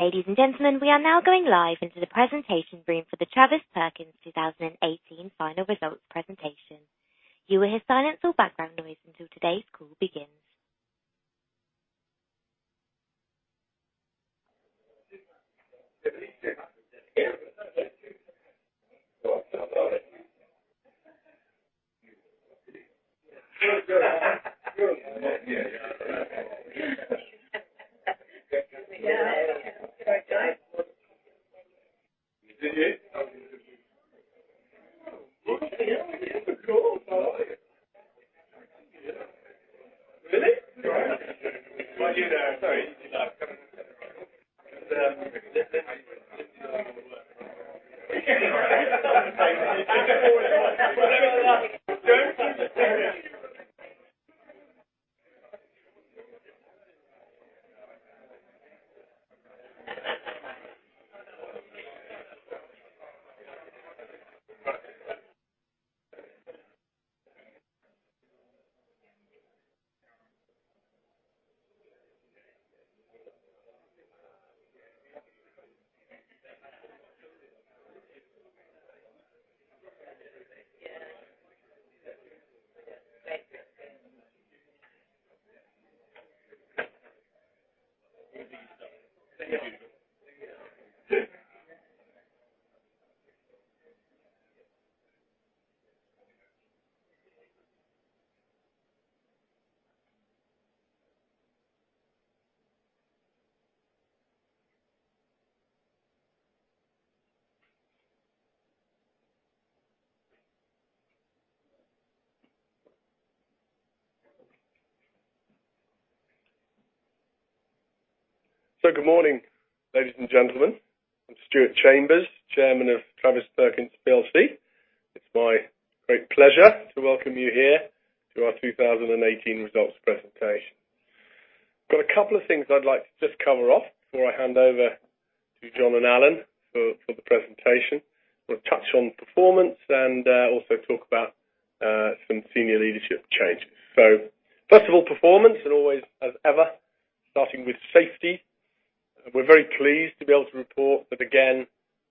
Ladies and gentlemen, we are now going live into the presentation room for the Travis Perkins 2018 final results presentation. You will hear silence or background noise until today's call begins. Good morning, ladies and gentlemen. I'm Stuart Chambers, Chairman of Travis Perkins plc. It's my great pleasure to welcome you here to our 2018 results presentation. I've got a couple of things I'd like to just cover off before I hand over to John and Alan for the presentation. We'll touch on performance and also talk about some senior leadership changes. First of all, performance, and always as ever, starting with safety. We're very pleased to be able to report that, again,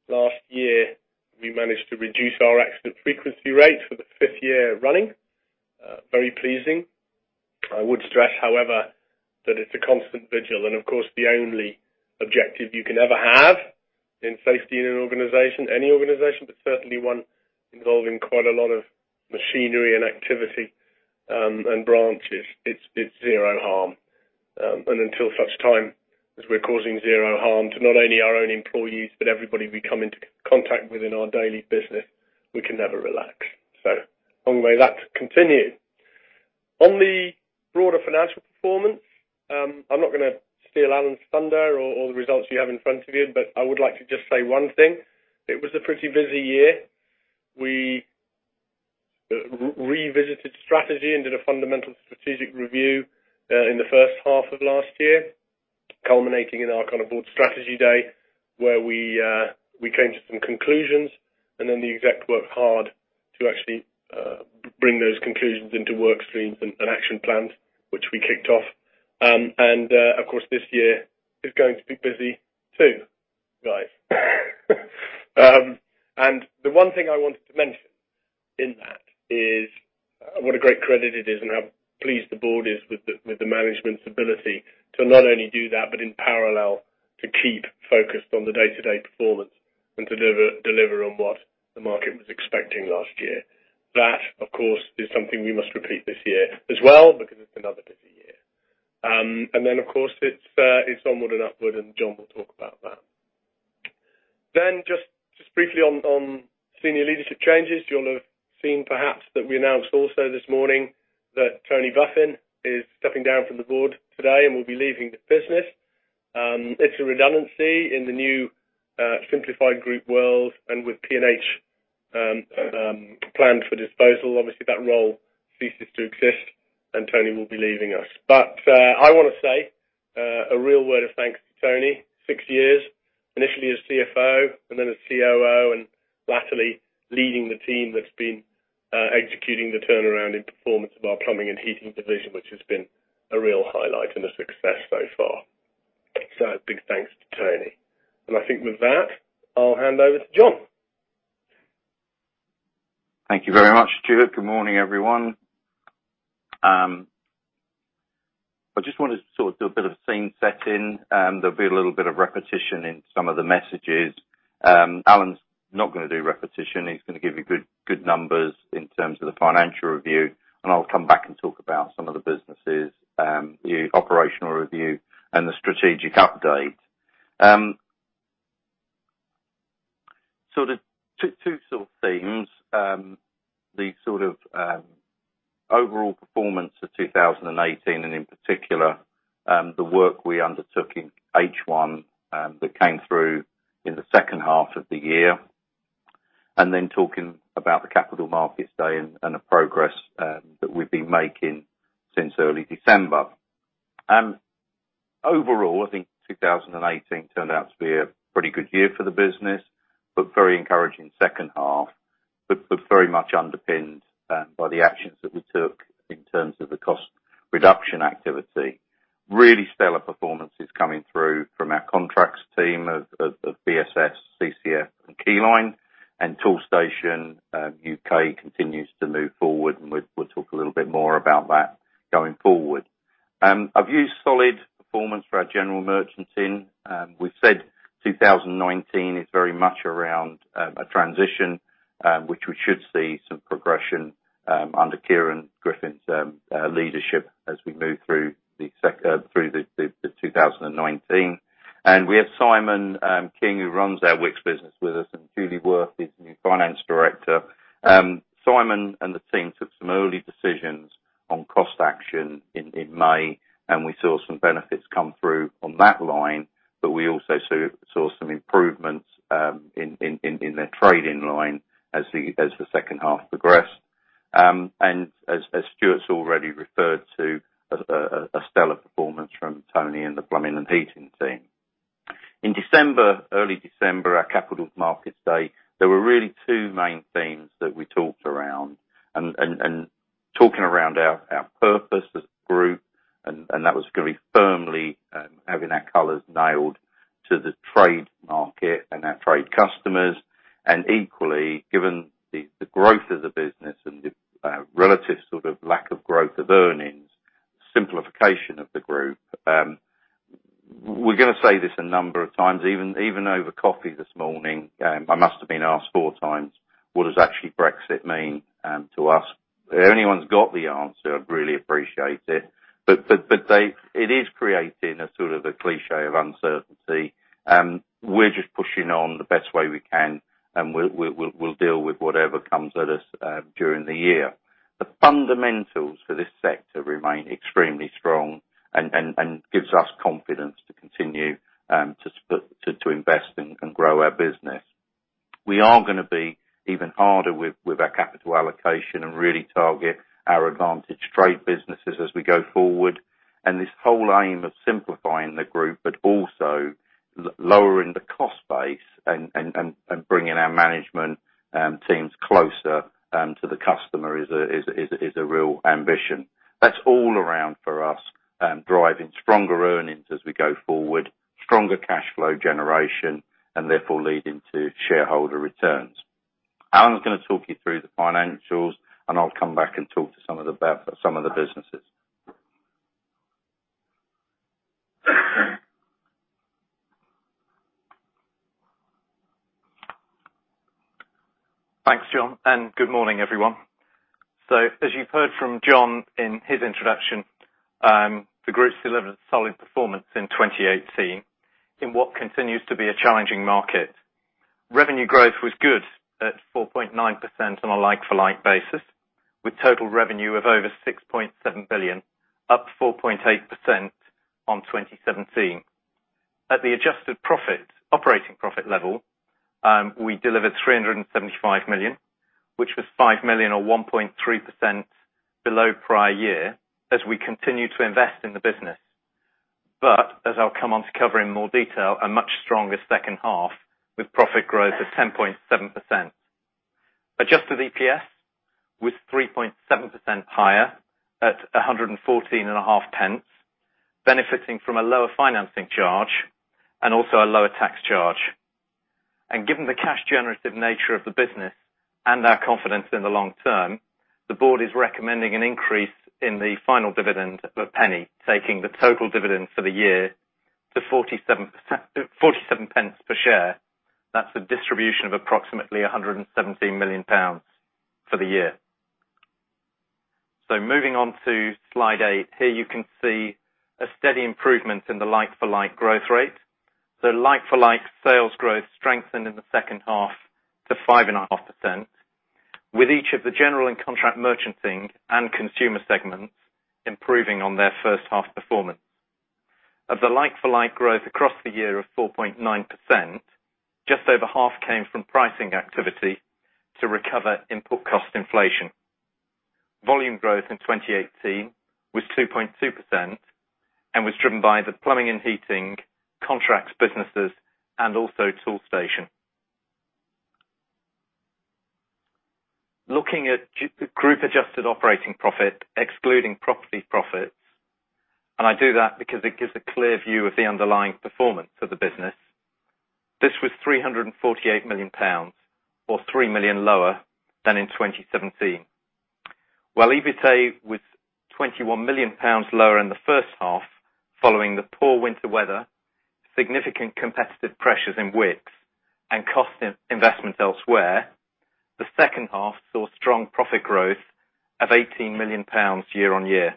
last year we managed to reduce our accident frequency rate for the fifth year running. Very pleasing. I would stress, however, that it's a constant vigil and of course, the only objective you can ever have in safety in an organization, any organization, but certainly one involving quite a lot of machinery and activity, and branches, it's zero harm. Until such time as we're causing zero harm to not only our own employees, but everybody we come into contact with in our daily business, we can never relax. Long may that continue. On the broader financial performance, I'm not gonna steal Alan's thunder or all the results you have in front of you, but I would like to just say one thing. It was a pretty busy year. We revisited strategy and did a fundamental strategic review in the first half of last year, culminating in our kind of board strategy day where we came to some conclusions, then the exec worked hard to actually bring those conclusions into workstreams and action plans, which we kicked off. Of course, this year is going to be busy too, guys. The one thing I wanted to mention in that is what a great credit it is and how pleased the board is with the management's ability to not only do that, but in parallel, to keep focused on the day-to-day performance and deliver on what the market was expecting last year. That, of course, is something we must repeat this year as well because it's another busy year. Of course, it's onward and upward and John will talk about that. Then just briefly on senior leadership changes, you'll have seen perhaps that we announced also this morning that Tony Buffin is stepping down from the board today and will be leaving the business. It's a redundancy in the new simplified group world and with P&H planned for disposal, obviously that role ceases to exist and Tony will be leaving us. I want to say a real word of thanks to Tony. Six years, initially as CFO and then as COO, and latterly leading the team that's been executing the turnaround in performance of our plumbing and heating division, which has been a real highlight and a success so far. A big thanks to Tony. I think with that, I'll hand over to John. Thank you very much, Stuart. Good morning, everyone. I just want to sort of do a bit of scene setting. There will be a little bit of repetition in some of the messages. Alan's not going to do repetition. He's going to give you good numbers in terms of the financial review, and I'll come back and talk about some of the businesses, the operational review and the strategic update. Two sort of themes. The sort of overall performance of 2018 and in particular, the work we undertook in H1 that came through in the second half of the year, and then talking about the Capital Markets Day and the progress that we've been making since early December. Overall, I think 2018 turned out to be a pretty good year for the business. A very encouraging second half, but very much underpinned by the actions that we took in terms of the cost reduction activity. Really stellar performances coming through from our contracts team of BSS, CCF, and Keyline, and Toolstation UK continues to move forward, and we will talk a little bit more about that going forward. I've used solid performance for our general merchanting. We've said 2019 is very much around a transition, which we should see some progression under Kieran Griffin's leadership as we move through the 2019. We have Simon King, who runs our Wickes business with us, and Julie Wirth, his new Finance Director. Simon and the team took some early decisions on cost action in May, we saw some benefits come through on that line, we also saw some improvements in their trading line as the second half progressed. As Stuart's already referred to, a stellar performance from Tony and the Plumbing and Heating team. In December, early December, our Capital Markets Day, there were really two main themes that we talked around, talking around our purpose as a group, and that was going to be firmly having our colors nailed to the trade market and our trade customers. Equally, given the growth of the business and the relative lack of growth of earnings, simplification of the group. We're going to say this a number of times, even over coffee this morning, I must have been asked four times, what does actually Brexit mean to us? If anyone's got the answer, I'd really appreciate it. It is creating a sort of the cliché of uncertainty. We're just pushing on the best way we can, and we'll deal with whatever comes at us during the year. The fundamentals for this sector remain extremely strong and gives us confidence to continue to invest and grow our business. We are going to be even harder with our capital allocation and really target our advantage trade businesses as we go forward. This whole aim of simplifying the group, but also lowering the cost base and bringing our management teams closer to the customer is a real ambition. That's all around for us, driving stronger earnings as we go forward, stronger cash flow generation, and therefore leading to shareholder returns. Alan's going to talk you through the financials, and I'll come back and talk to some of the businesses. Thanks, John. Good morning, everyone. As you've heard from John in his introduction, the group's delivered a solid performance in 2018 in what continues to be a challenging market. Revenue growth was good at 4.9% on a like-for-like basis, with total revenue of over 6.7 billion, up 4.8% on 2017. At the adjusted profit, operating profit level, we delivered 375 million, which was 5 million or 1.3% below prior year as we continue to invest in the business. As I'll come on to cover in more detail, a much stronger second half with profit growth of 10.7%. Adjusted EPS was 3.7% higher at 1.145, benefiting from a lower financing charge and also a lower tax charge. Given the cash generative nature of the business and our confidence in the long term, the board is recommending an increase in the final dividend of GBP 0.01, taking the total dividend for the year to 0.47 per share. That's a distribution of approximately 117 million pounds for the year. Moving on to slide eight, here you can see a steady improvement in the like-for-like growth rate. Like for like, sales growth strengthened in the second half to 5.5%, with each of the general and contract merchanting and consumer segments improving on their first half performance. Of the like-for-like growth across the year of 4.9%, just over half came from pricing activity to recover input cost inflation. Volume growth in 2018 was 2.2% and was driven by the plumbing and heating contracts businesses and also Toolstation. Looking at group adjusted operating profit, excluding property profits, I do that because it gives a clear view of the underlying performance of the business. This was 348 million pounds or 3 million lower than in 2017. While EBITA was 21 million pounds lower in the first half, following the poor winter weather, significant competitive pressures in Wickes and cost investment elsewhere, the second half saw strong profit growth of 18 million pounds year on year.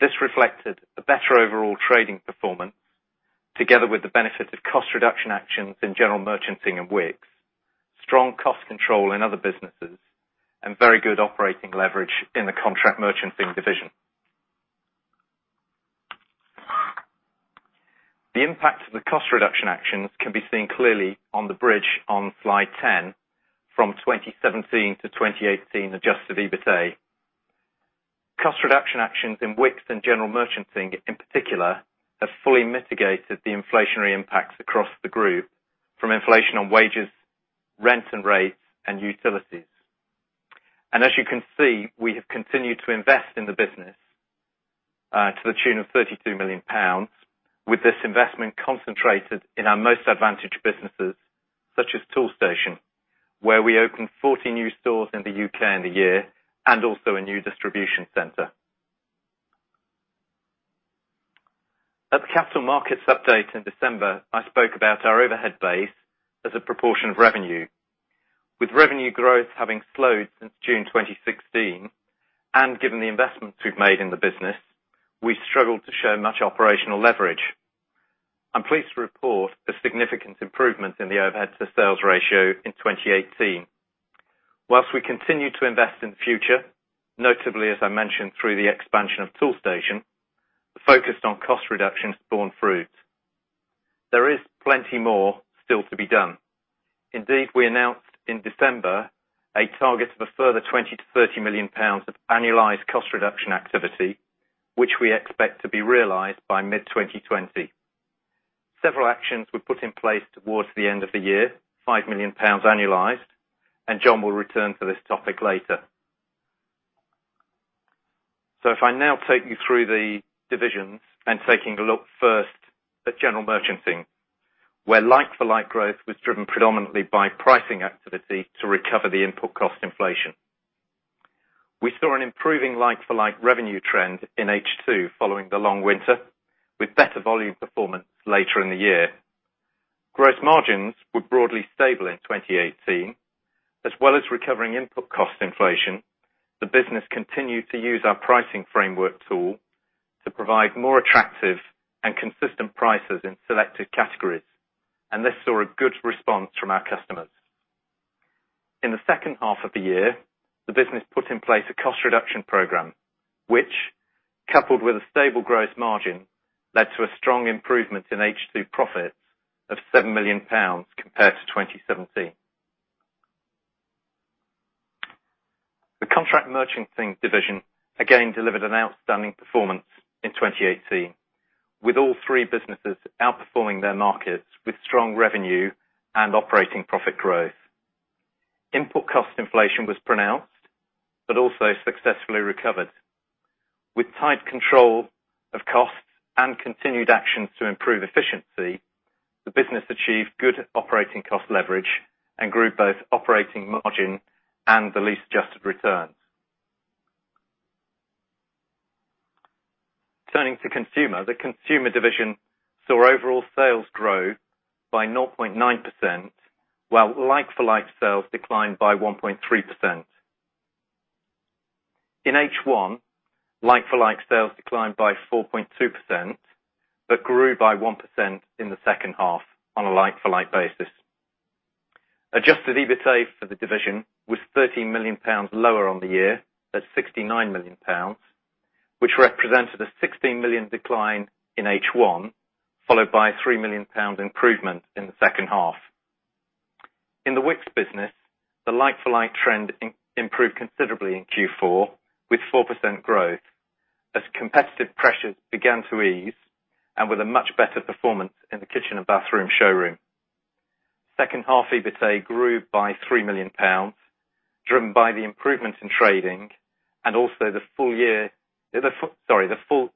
This reflected a better overall trading performance together with the benefit of cost reduction actions in general merchanting and Wickes, strong cost control in other businesses and very good operating leverage in the contract merchanting division. The impact of the cost reduction actions can be seen clearly on the bridge on slide 10 from 2017 to 2018, adjusted EBITA. Cost reduction actions in Wickes and General Merchanting, in particular, have fully mitigated the inflationary impacts across the group from inflation on wages, rent and rates, and utilities. As you can see, we have continued to invest in the business to the tune of 32 million pounds, with this investment concentrated in our most advantaged businesses such as Toolstation, where we opened 40 new stores in the U.K. in the year, and also a new distribution center. At the capital markets update in December, I spoke about our overhead base as a proportion of revenue. With revenue growth having slowed since June 2016, and given the investments we've made in the business, we struggled to show much operational leverage. I'm pleased to report a significant improvement in the overhead to sales ratio in 2018. Whilst we continue to invest in the future, notably, as I mentioned, through the expansion of Toolstation, the focus on cost reduction has borne fruit. There is plenty more still to be done. Indeed, we announced in December a target of a further 20 million-30 million pounds of annualized cost reduction activity, which we expect to be realized by mid-2020. Several actions were put in place towards the end of the year, 5 million pounds annualized. John will return to this topic later. If I now take you through the divisions, and taking a look first at General Merchanting, where like-for-like growth was driven predominantly by pricing activity to recover the input cost inflation. We saw an improving like-for-like revenue trend in H2 following the long winter, with better volume performance later in the year. Gross margins were broadly stable in 2018. As well as recovering input cost inflation, the business continued to use our pricing framework tool to provide more attractive and consistent prices in selected categories. This saw a good response from our customers. In the second half of the year, the business put in place a cost reduction program, which, coupled with a stable gross margin, led to a strong improvement in H2 profits of GBP 7 million compared to 2017. The Contract Merchanting division again delivered an outstanding performance in 2018, with all three businesses outperforming their markets with strong revenue and operating profit growth. Input cost inflation was pronounced, but also successfully recovered. With tight control of costs and continued actions to improve efficiency, the business achieved good operating cost leverage and grew both operating margin and the lease-adjusted returns. Turning to Consumer, the Consumer division saw overall sales grow by 0.9%, while like-for-like sales declined by 1.3%. In H1, like-for-like sales declined by 4.2%, but grew by 1% in the second half on a like-for-like basis. Adjusted EBITA for the division was 13 million pounds lower on the year at 69 million pounds, which represented a 16 million decline in H1, followed by a 3 million pounds improvement in the second half. In the Wickes business, the like-for-like trend improved considerably in Q4, with 4% growth as competitive pressures began to ease and with a much better performance in the kitchen and bathroom showroom. Second half EBITA grew by 3 million pounds, driven by the improvement in trading and also the full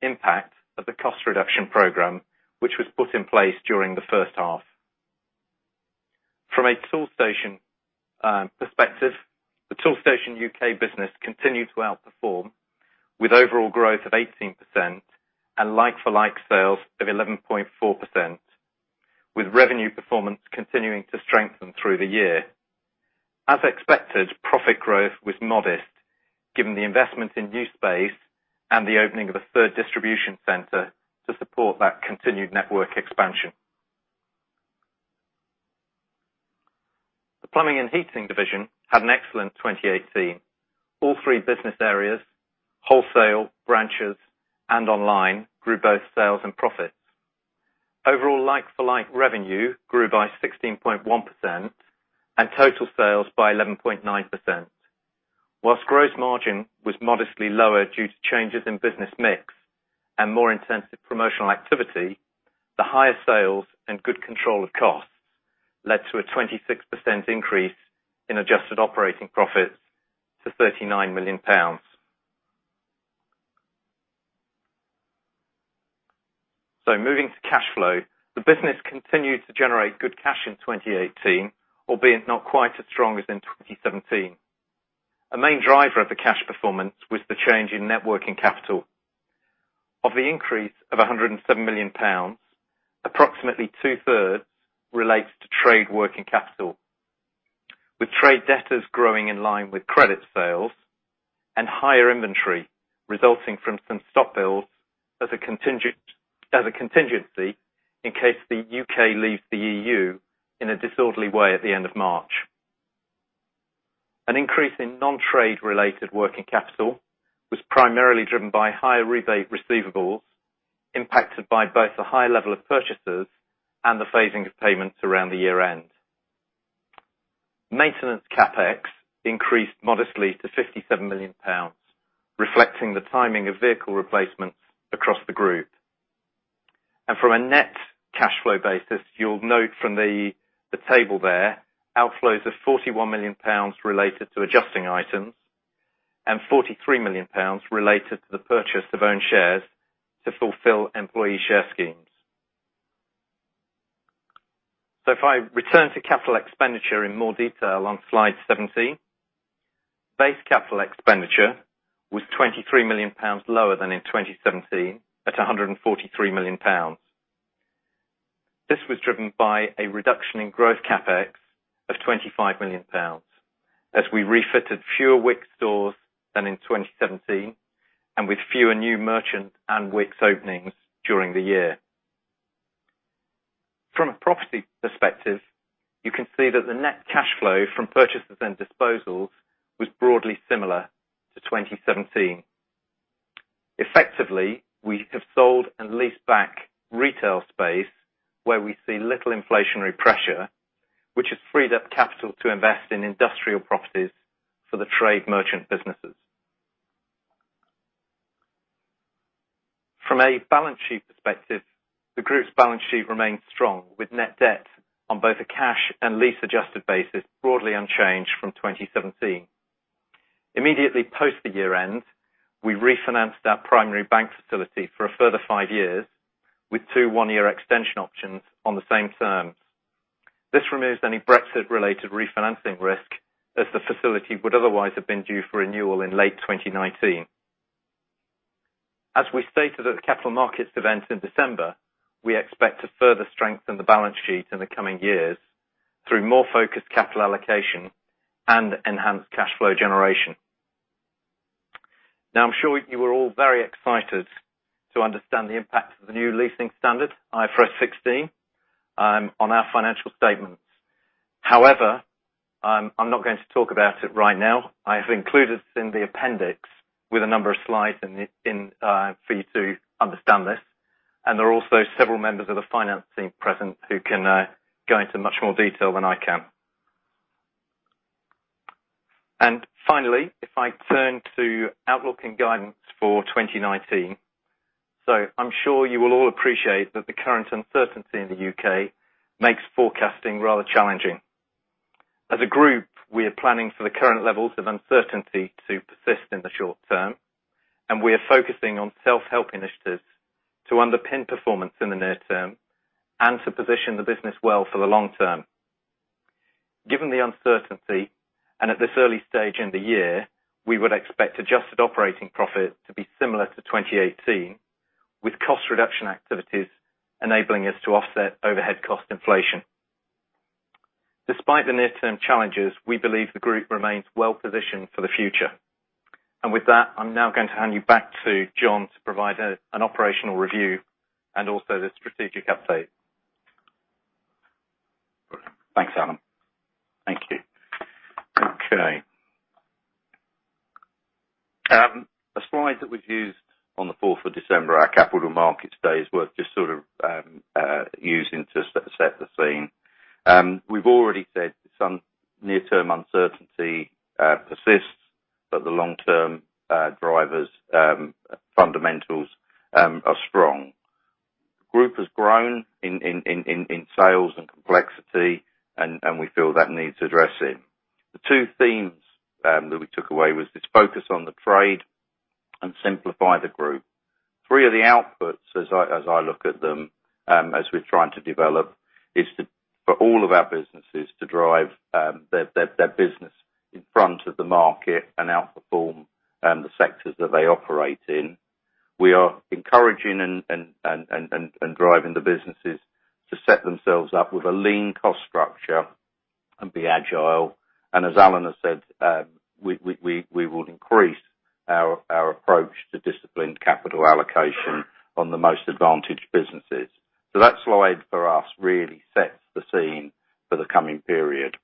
impact of the cost reduction program, which was put in place during the first half. From a Toolstation perspective, the Toolstation UK business continued to outperform with overall growth of 18% and like-for-like sales of 11.4%, with revenue performance continuing to strengthen through the year. As expected, profit growth was modest, given the investment in new space and the opening of a third distribution center to support that continued network expansion. The Plumbing and Heating division had an excellent 2018. All three business areas, wholesale, branches, and online, grew both sales and profits. Overall like-for-like revenue grew by 16.1% and total sales by 11.9%. Whilst gross margin was modestly lower due to changes in business mix and more intensive promotional activity, the higher sales and good control of costs led to a 26% increase in adjusted operating profits to GBP 39 million. Moving to cash flow, the business continued to generate good cash in 2018, albeit not quite as strong as in 2017. A main driver of the cash performance was the change in net working capital. Of the increase of 107 million pounds, approximately two-thirds relates to trade working capital, with trade debtors growing in line with credit sales and higher inventory resulting from some stock builds as a contingency in case the U.K. leaves the EU in a disorderly way at the end of March. An increase in non-trade related working capital was primarily driven by higher rebate receivables impacted by both the high level of purchasers and the phasing of payments around the year-end. Maintenance CapEx increased modestly to 57 million pounds, reflecting the timing of vehicle replacements across the group. From a net cash flow basis, you'll note from the table there, outflows of 41 million pounds related to adjusting items, and 43 million pounds related to the purchase of own shares to fulfill employee share schemes. If I return to capital expenditure in more detail on slide 17, base capital expenditure was 23 million pounds lower than in 2017, at 143 million pounds. This was driven by a reduction in growth CapEx of 25 million pounds, as we refitted fewer Wickes stores than in 2017, and with fewer new merchant and Wickes openings during the year. From a property perspective, you can see that the net cash flow from purchases and disposals was broadly similar to 2017. Effectively, we have sold and leased back retail space where we see little inflationary pressure, which has freed up capital to invest in industrial properties for the trade merchant businesses. From a balance sheet perspective, the group's balance sheet remains strong, with net debt on both a cash and lease adjusted basis broadly unchanged from 2017. Immediately post the year end, we refinanced our primary bank facility for a further five years, with two one-year extension options on the same terms. This removes any Brexit-related refinancing risk, as the facility would otherwise have been due for renewal in late 2019. As we stated at the capital markets event in December, we expect to further strengthen the balance sheet in the coming years through more focused capital allocation and enhanced cash flow generation. I'm sure you are all very excited to understand the impact of the new leasing standard, IFRS 16, on our financial statements. However, I'm not going to talk about it right now. I have included it in the appendix with a number of slides for you to understand this, and there are also several members of the finance team present who can go into much more detail than I can. Finally, if I turn to outlook and guidance for 2019. I'm sure you will all appreciate that the current uncertainty in the U.K. makes forecasting rather challenging. As a group, we are planning for the current levels of uncertainty to persist in the short term, and we are focusing on self-help initiatives to underpin performance in the near term and to position the business well for the long term. Given the uncertainty, and at this early stage in the year, we would expect adjusted operating profit to be similar to 2018, with cost reduction activities enabling us to offset overhead cost inflation. Despite the near-term challenges, we believe the group remains well-positioned for the future. With that, I'm now going to hand you back to John to provide an operational review and also the strategic update. Thanks, Alan. Thank you. Okay. A slide that we've used on the 4th of December, our Capital Markets Day, is worth just using to set the scene. We've already said some near-term uncertainty persists, but the long-term drivers fundamentals are strong. Group has grown in sales and complexity, and we feel that needs addressing. The two themes that we took away was this focus on the trade and simplify the group. Three of the outputs, as I look at them, as we're trying to develop, is for all of our businesses to drive their business in front of the market and outperform the sectors that they operate in. We are encouraging and driving the businesses to set themselves up with a lean cost structure and be agile. As Alan has said, we will increase our approach to disciplined capital allocation on the most advantaged businesses. That slide for us really sets the scene for the coming period.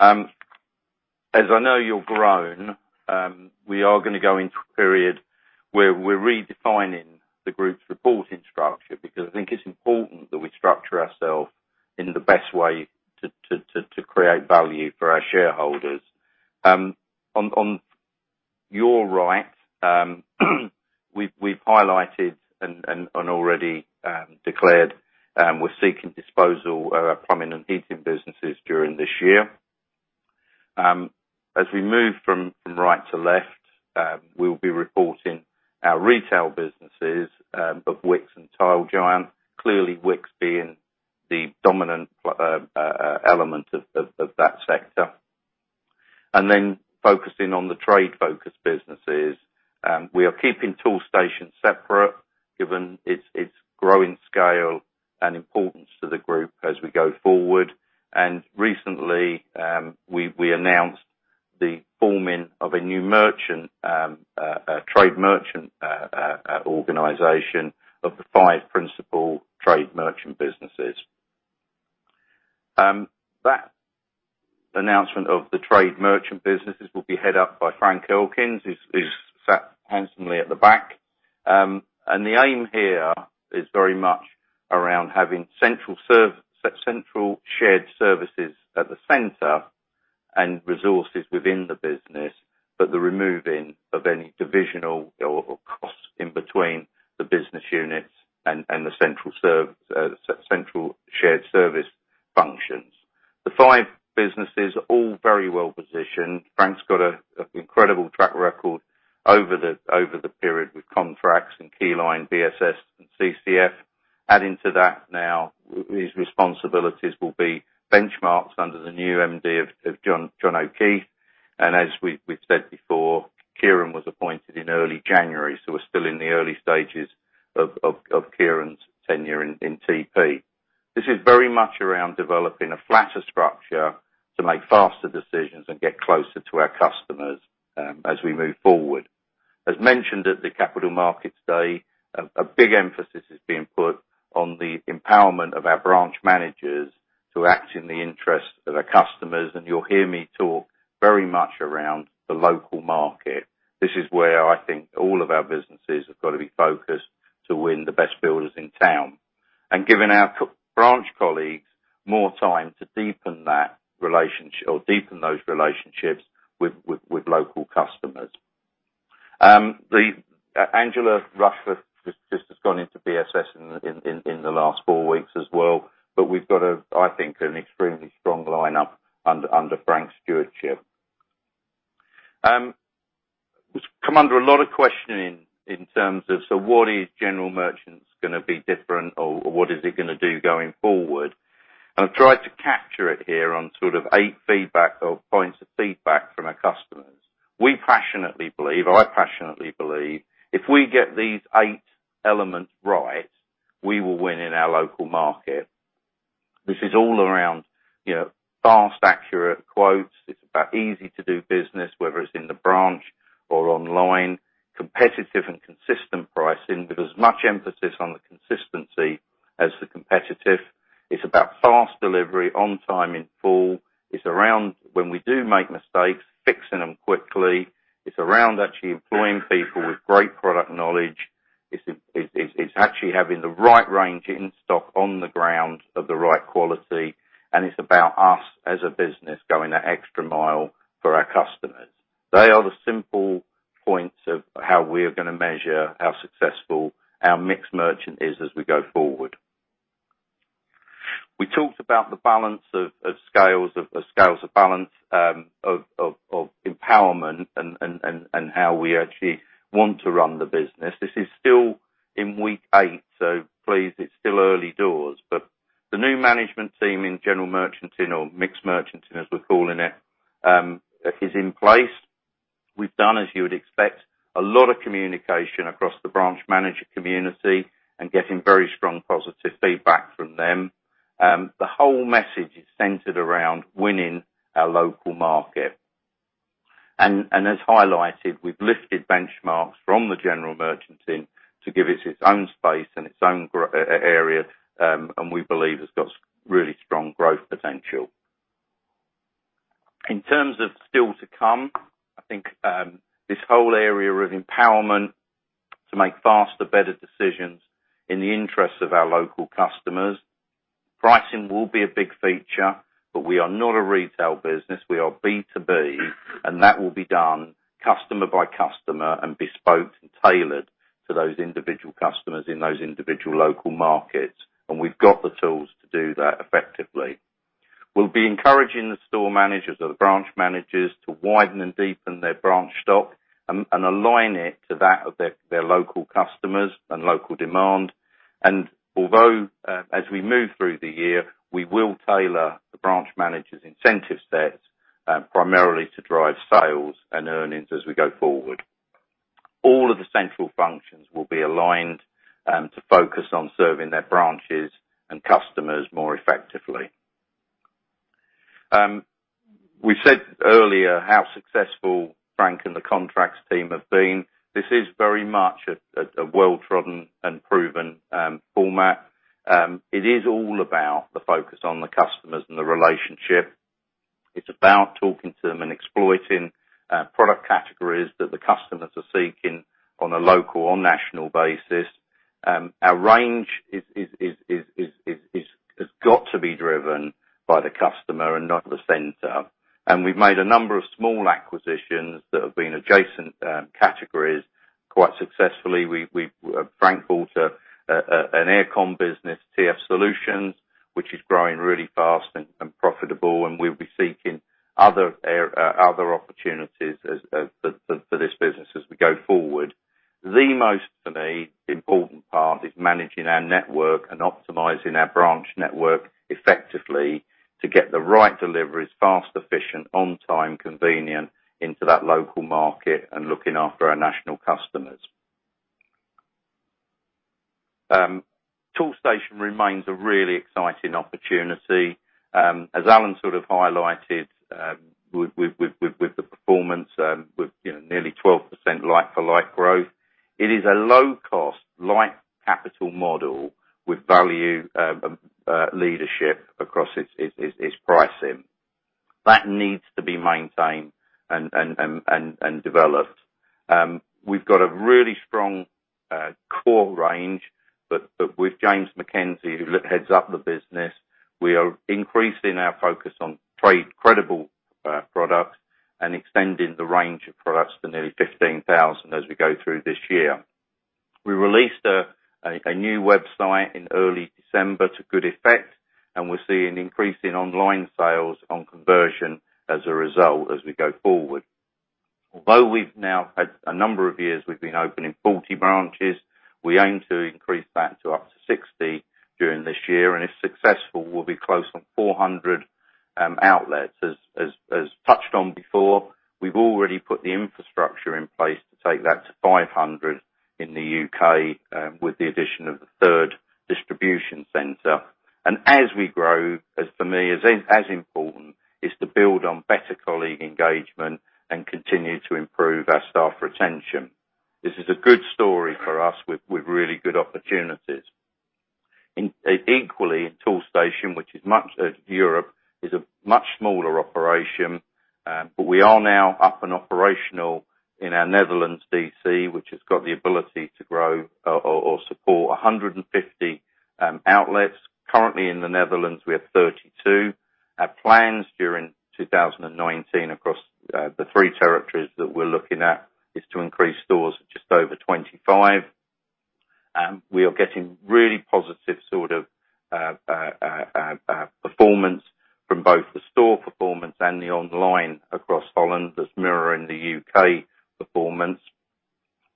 As I know you've grown, we are going to go into a period where we are redefining the group's reporting structure, because I think it's important that we structure ourselves in the best way to create value for our shareholders. On your right, we've highlighted and already declared, we're seeking disposal of our plumbing and heating businesses during this year. As we move from right to left, we will be reporting our retail businesses of Wickes and Tile Giant, clearly Wickes being the dominant element of that sector. Then focusing on the trade-focused businesses, we are keeping Toolstation separate given its growing scale and importance to the group as we go forward. Recently, we announced the forming of a new trade merchant organization of the five principal trade merchant businesses. That announcement of the trade merchant businesses will be head up by Frank Elkins, he's sat handsomely at the back. The aim here is very much around having central shared services at the center and resources within the business, but the removing of any divisional or cross in between the business units and the central shared service functions. The five businesses are all very well positioned. Frank's got an incredible track record over the period with Contracts and Keyline, BSS and CCF. Adding to that now, his responsibilities will be Benchmarx under the new MD of John O'Keeffe. As we've said before, Kieran was appointed in early January, so we're still in the early stages of Kieran's tenure in TP. This is very much around developing a flatter structure to make faster decisions and get closer to our customers as we move forward. As mentioned at the Capital Markets Day, a big emphasis is being put on the empowerment of our branch managers to act in the interest of our customers. You'll hear me talk very much around the local market. This is where I think all of our businesses have got to be focused to win the best builders in town. Giving our branch colleagues more time to deepen those relationships with local customers. Angela Rushforth has just gone into BSS in the last four weeks as well. We've got, I think, an extremely strong lineup under Frank's stewardship. It's come under a lot of questioning in terms of, so what is general merchanting going to be different, or what is it going to do going forward? I've tried to capture it here on sort of eight points of feedback from our customers. We passionately believe, I passionately believe, if we get these eight elements right, we will win in our local market. This is all around fast, accurate quotes. It's about easy to do business, whether it's in the branch or online. Competitive and consistent pricing, with as much emphasis on the consistency as the competitive. It's about fast delivery, on time, in full. It's around when we do make mistakes, fixing them quickly. It's around actually employing people with great product knowledge. It's actually having the right range in stock on the ground of the right quality. It's about us as a business going that extra mile for our customers. They are the simple points of how we are going to measure how successful our mixed merchanting is as we go forward. We talked about the scales of balance of empowerment and how we actually want to run the business. This is still in week eight, so please, it's still early doors. The new management team in general merchanting, or mixed merchanting, as we're calling it, is in place. We've done, as you would expect, a lot of communication across the branch manager community. Getting very strong positive feedback from them. The whole message is centered around winning our local market. As highlighted, we've lifted Benchmarx from the general merchanting to give it its own space and its own area. We believe it's got really strong growth potential. In terms of still to come, I think this whole area of empowerment to make faster, better decisions in the interests of our local customers. Pricing will be a big feature. We are not a retail business. We are B2B, that will be done customer by customer and bespoke and tailored to those individual customers in those individual local markets, and we've got the tools to do that effectively. We'll be encouraging the store managers or the branch managers to widen and deepen their branch stock and align it to that of their local customers and local demand. Although, as we move through the year, we will tailor the branch manager's incentive sets primarily to drive sales and earnings as we go forward. All of the central functions will be aligned to focus on serving their branches and customers more effectively. We said earlier how successful Frank and the Contracts team have been. This is very much a well-trodden and proven format. It is all about the focus on the customers and the relationship. It's about talking to them and exploiting product categories that the customers are seeking on a local or national basis. Our range has got to be driven by the customer and not the center. We've made a number of small acquisitions that have been adjacent categories quite successfully. Frank bought an aircon business, TF Solutions, which is growing really fast and profitable, and we'll be seeking other opportunities for this business as we go forward. The most, for me, important part is managing our network and optimizing our branch network effectively to get the right deliveries, fast, efficient, on time, convenient into that local market and looking after our national customers. Toolstation remains a really exciting opportunity. As Alan sort of highlighted with the performance with nearly 12% like-for-like growth. It is a low-cost, light capital model with value leadership across its pricing. That needs to be maintained and developed. We've got a really strong core range, but with James Mackenzie, who heads up the business, we are increasing our focus on trade-credible products and extending the range of products to nearly 15,000 as we go through this year. We released a new website in early December to good effect, and we're seeing an increase in online sales on conversion as a result as we go forward. Although we've now had a number of years, we've been opening 40 branches, we aim to increase that to up to 60 during this year, and if successful, we'll be close on 400 outlets. As touched on before, we've already put the infrastructure in place to take that to 500 in the U.K. with the addition of the third distribution center. As we grow, as for me, as important, is to build on better colleague engagement and continue to improve our staff retention. This is a good story for us with really good opportunities. Equally, Toolstation, which is much of Europe, is a much smaller operation, but we are now up and operational in our Netherlands DC, which has got the ability to grow or support 150 outlets. Currently in the Netherlands, we have 32. Our plans during 2019 across the three territories that we're looking at is to increase stores just over 25. We are getting really positive sort of performance from both the store performance and the online across Holland that's mirroring the U.K. performance.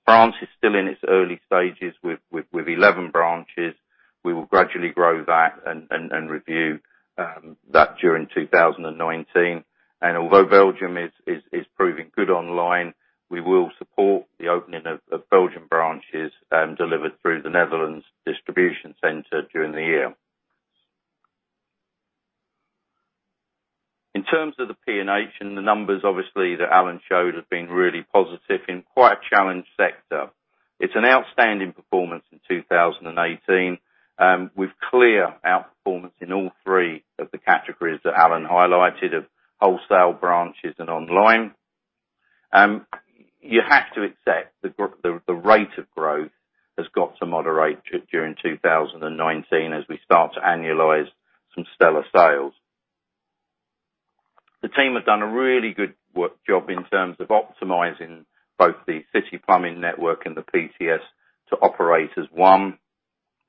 France is still in its early stages with 11 branches. We will gradually grow that and review that during 2019. Although Belgium is proving good online, we will support the opening of Belgian branches delivered through the Netherlands distribution center during the year. In terms of the P&H and the numbers, obviously, that Alan showed have been really positive in quite a challenged sector. It's an outstanding performance in 2018, with clear outperformance in all three of the categories that Alan highlighted of wholesale branches and online. You have to accept the rate of growth has got to moderate during 2019 as we start to annualize some stellar sales. The team has done a really good job in terms of optimizing both the City Plumbing network and the PTS to operate as one.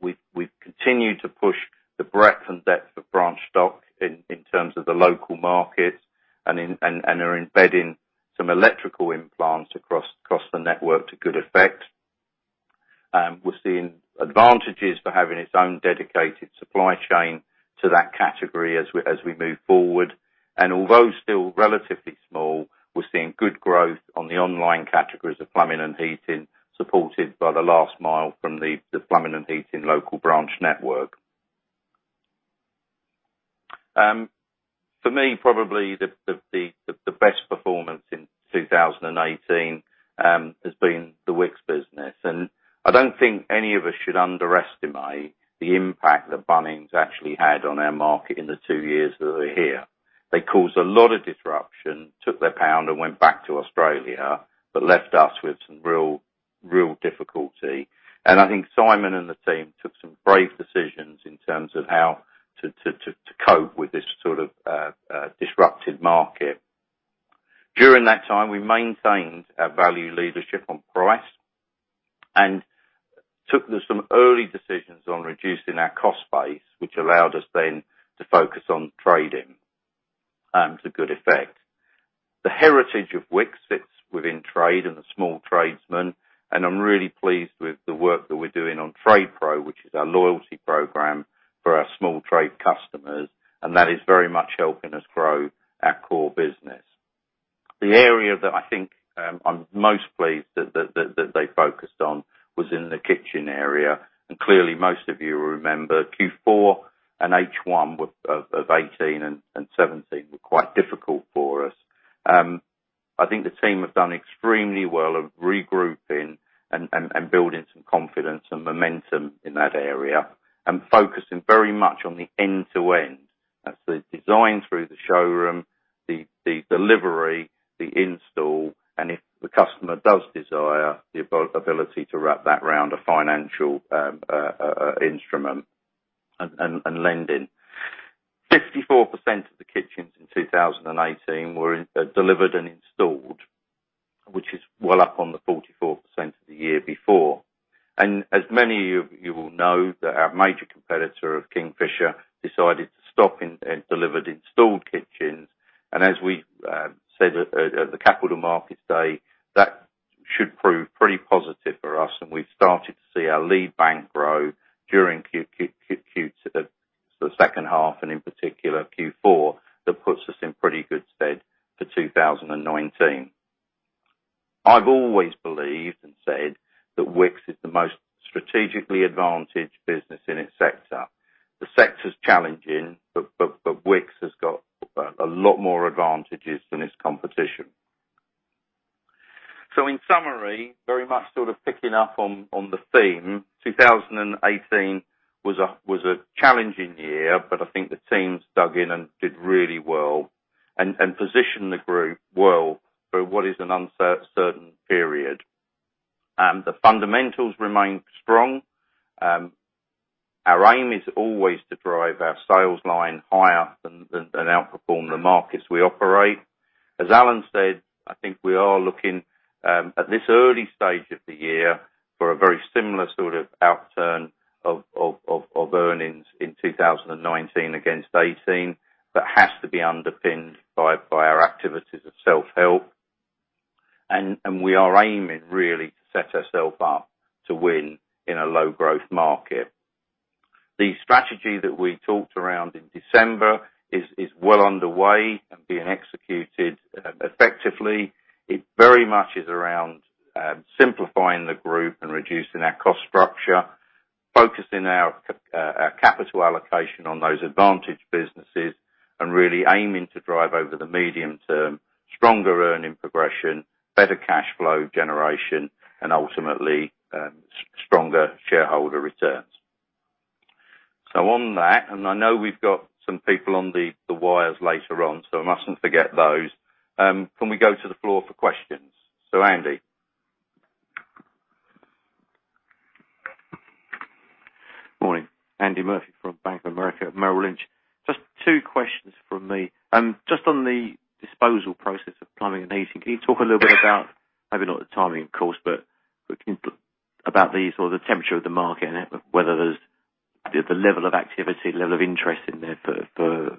We've continued to push the breadth and depth of branch stock in terms of the local markets and are embedding some electrical implants across the network to good effect. We're seeing advantages for having its own dedicated supply chain to that category as we move forward. Although still relatively small, we're seeing good growth on the online categories of plumbing and heating, supported by the last mile from the plumbing and heating local branch network. For me, probably the best performance in 2018 has been the Wickes business. I don't think any of us should underestimate the impact that Bunnings actually had on our market in the two years that they were here. They caused a lot of disruption, took their pound and went back to Australia, left us with some real difficulty. I think Simon and the team took some brave decisions in terms of how to cope with this sort of disrupted market. During that time, we maintained our value leadership on price and took some early decisions on reducing our cost base, which allowed us then to focus on trading to good effect. The heritage of Wickes sits within trade and the small tradesman, I'm really pleased with the work that we're doing on TradePro, which is our loyalty program for our small trade customers, and that is very much helping us grow our core business. The area that I think I'm most pleased that they focused on was in the kitchen area. Clearly, most of you will remember Q4 and H1 of 2018 and 2017 were quite difficult for us. I think the team have done extremely well of regrouping and building some confidence and momentum in that area and focusing very much on the end-to-end. That's the design through the showroom, the delivery, the install, and if the customer does desire, the ability to wrap that around a financial instrument and lending. 54% of the kitchens in 2018 were delivered and installed, which is well up on the 44% of the year before. As many of you will know that our major competitor of Kingfisher decided to stop in delivered installed kitchens. As we said at the Capital Markets Day, that should prove pretty positive for us, and we've started to see our lead bank grow during the second half and in particular Q4, that puts us in pretty good stead for 2019. I've always believed and said that Wickes is the most strategically advantaged business in its sector. The sector is challenging, but Wickes has got a lot more advantages than its competition. In summary, very much sort of picking up on the theme, 2018 was a challenging year, I think the teams dug in and did really well and positioned the group well for what is an uncertain period. The fundamentals remain strong. Our aim is always to drive our sales line higher and outperform the markets we operate. As Alan said, I think we are looking, at this early stage of the year, for a very similar sort of outturn of earnings in 2019 against 2018. That has to be underpinned by our activities of self-help. We are aiming really to set ourself up to win in a low growth market. The strategy that we talked around in December is well underway and being executed effectively. It very much is around simplifying the group and reducing our cost structure, focusing our capital allocation on those advantage businesses, and really aiming to drive over the medium term, stronger earning progression, better cash flow generation, and ultimately, stronger shareholder returns. On that, and I know we've got some people on the wires later on, I mustn't forget those, can we go to the floor for questions? Andy. Morning, Andy Murphy from Bank of America Merrill Lynch. Just two questions from me. Just on the disposal process of plumbing and heating, can you talk a little bit about, maybe not the timing of course, about the sort of temperature of the market and whether there's the level of activity, level of interest in there for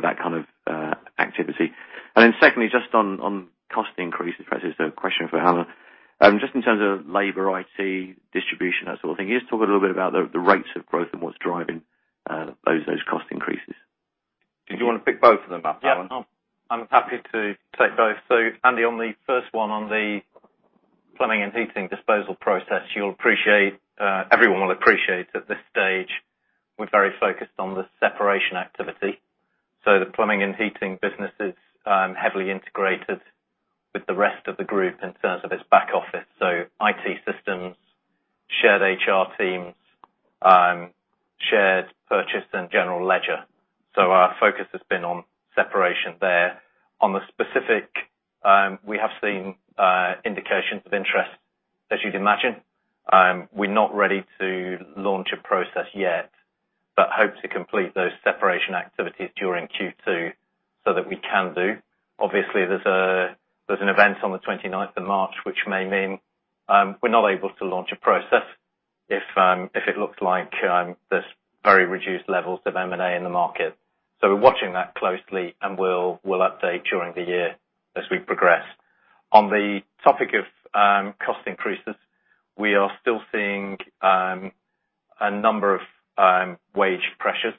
that kind of activity. Secondly, just on cost increases, perhaps this is a question for Alan. Just in terms of labor, IT, distribution, that sort of thing. Can you just talk a little bit about the rates of growth and what's driving those cost increases. Did you want to pick both of them up, Alan? I'm happy to take both. Andy, on the first one on the plumbing and heating disposal process, everyone will appreciate at this stage, we're very focused on the separation activity. The plumbing and heating business is heavily integrated with the rest of the group in terms of its back office. IT systems, shared HR teams, shared purchase and general ledger. Our focus has been on separation there. On the specific, we have seen indications of interest, as you'd imagine. We're not ready to launch a process yet, but hope to complete those separation activities during Q2 so that we can do. There's an event on the 29th of March, which may mean we're not able to launch a process if it looks like there's very reduced levels of M&A in the market. We're watching that closely, and we'll update during the year as we progress. On the topic of cost increases, we are still seeing a number of wage pressures.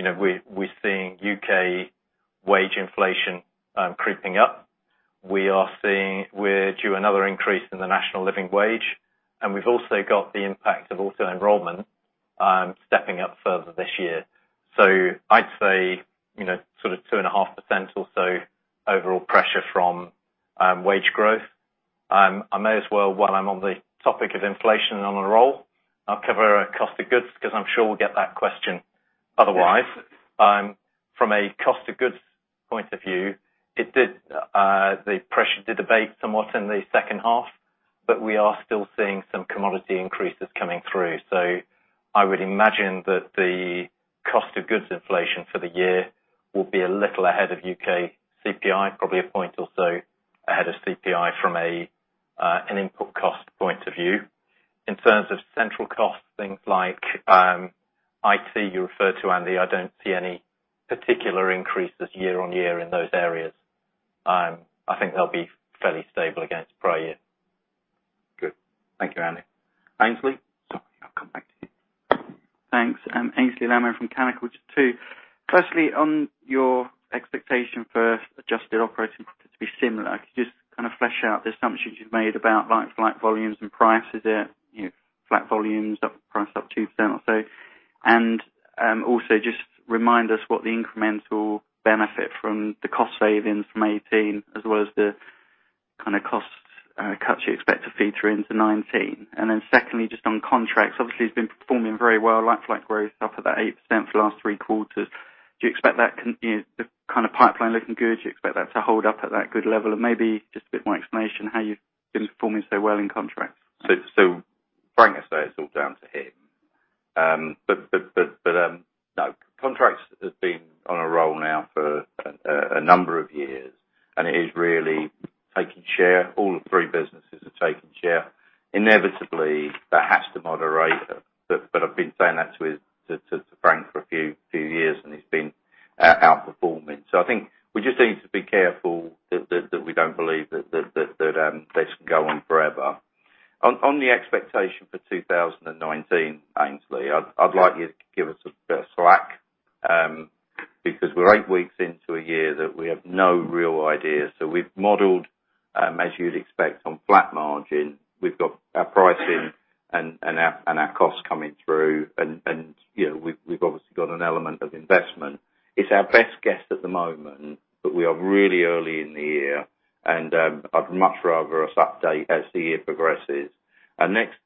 We're seeing U.K. wage inflation creeping up. We're due another increase in the national living wage, and we've also got the impact of auto enrollment stepping up further this year. I'd say 2.5% or so overall pressure from wage growth. I may as well, while I'm on the topic of inflation and on a roll, I'll cover our cost of goods because I'm sure we'll get that question otherwise. From a cost of goods point of view, the pressure did abate somewhat in the second half, but we are still seeing some commodity increases coming through. I would imagine that the cost of goods inflation for the year will be a little ahead of U.K. CPI, probably a point or so ahead of CPI from an input cost point of view. In terms of central costs, things like IT, you referred to, Andy, I don't see any particular increases year-on-year in those areas. I think they'll be fairly stable against prior year. Good. Thank you, Andy. Aynsley? Thanks. Aynsley Lammin from Canaccord. Just two. Firstly, on your expectation for adjusted operating profit to be similar, could you just kind of flesh out the assumptions you've made about like flat volumes and prices there? Flat volumes, price up 2% or so. Also just remind us what the incremental benefit from the cost savings from 2018, as well as the kind of cost cuts you expect to feed through into 2019. Secondly, just on contracts, obviously it's been performing very well, like-for-like growth up at that 8% for the last three quarters. Do you expect that kind of pipeline looking good? Do you expect that to hold up at that good level? Maybe just a bit more explanation how you've been performing so well in contracts. Frank would say it's all down to him. No, contracts has been on a roll now for a number of years, and it is really taking share. All the three businesses are taking share. Inevitably, that has to moderate, but I've been saying that to Frank for a few years, and he's been outperforming. I think we just need to be careful that we don't believe that this can go on forever. On the expectation for 2019, Aynsley, I'd like you to give us some slack, because we're eight weeks into a year that we have no real idea. We've modeled, as you'd expect, on flat margin. We've got our pricing and our costs coming through, and we've obviously got an element of investment. It's our best guess at the moment, but we are really early in the year, and I'd much rather us update as the year progresses. Our next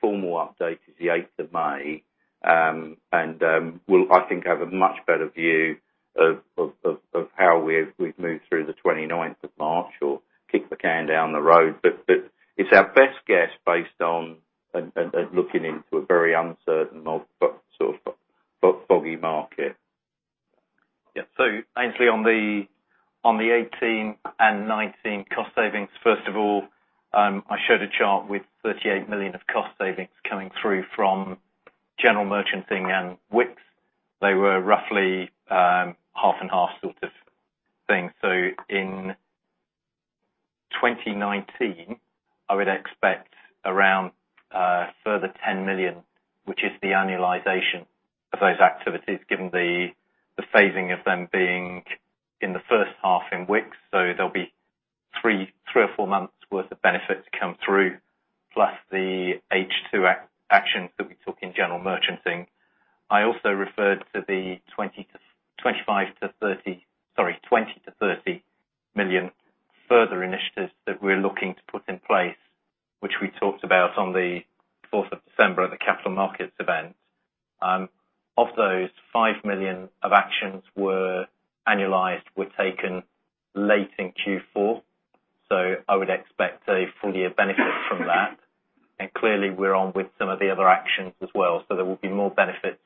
formal update is the 8th of May, and we'll, I think, have a much better view of how we've moved through the 29th of March or kick the can down the road. It's our best guess based on looking into a very uncertain, sort of foggy market. Aynsley, on the 2018 and 2019 cost savings, first of all, I showed a chart with 38 million of cost savings coming through from general merchanting and Wickes. They were roughly half and half sort of thing. In 2019, I would expect around a further 10 million, which is the annualization of those activities, given the phasing of them being in the first half in Wickes. There'll be three or four months worth of benefit to come through, plus the H2 actions that we took in general merchanting. I also referred to the 20 million-30 million further initiatives that we're looking to put in place, which we talked about on the 4th of December at the capital markets event. Of those, 5 million of actions were annualized, were taken late in Q4. I would expect a full year benefit from that. Clearly, we're on with some of the other actions as well. There will be more benefits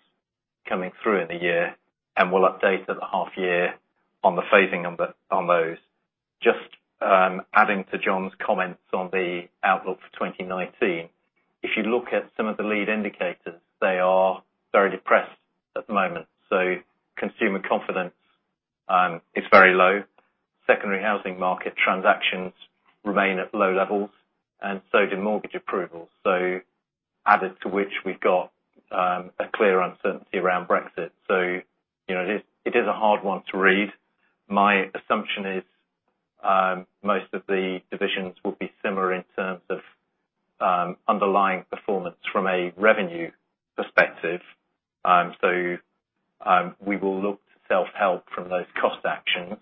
coming through in the year, and we'll update at the half year on the phasing on those. Just adding to John's comments on the outlook for 2019. If you look at some of the lead indicators, they are very depressed at the moment. Consumer confidence is very low. Secondary housing market transactions remain at low levels, and so do mortgage approvals. Added to which, we've got a clear uncertainty around Brexit. It is a hard one to read. My assumption is most of the divisions will be similar in terms of underlying performance from a revenue perspective. We will look to self-help from those cost actions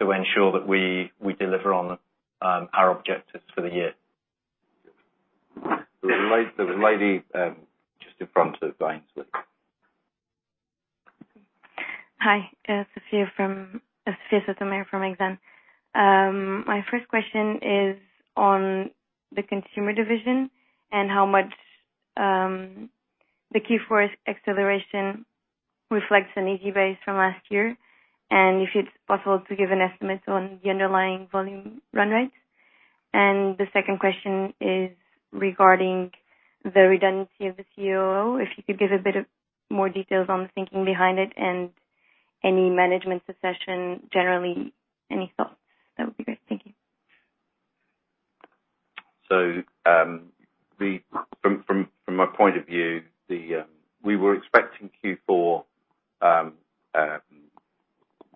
to ensure that we deliver on our objectives for the year. There's a lady just in front of Aynsley. Hi, Sofia Sotto-Mayor from Exane. My first question is on the consumer division and how much the Q4 acceleration reflects an easy base from last year. If it's possible to give an estimate on the underlying volume run rates. The second question is regarding the redundancy of the COO, if you could give a bit of more details on the thinking behind it and any management succession, generally, any thoughts? That would be great. Thank you. From my point of view, we were expecting Q4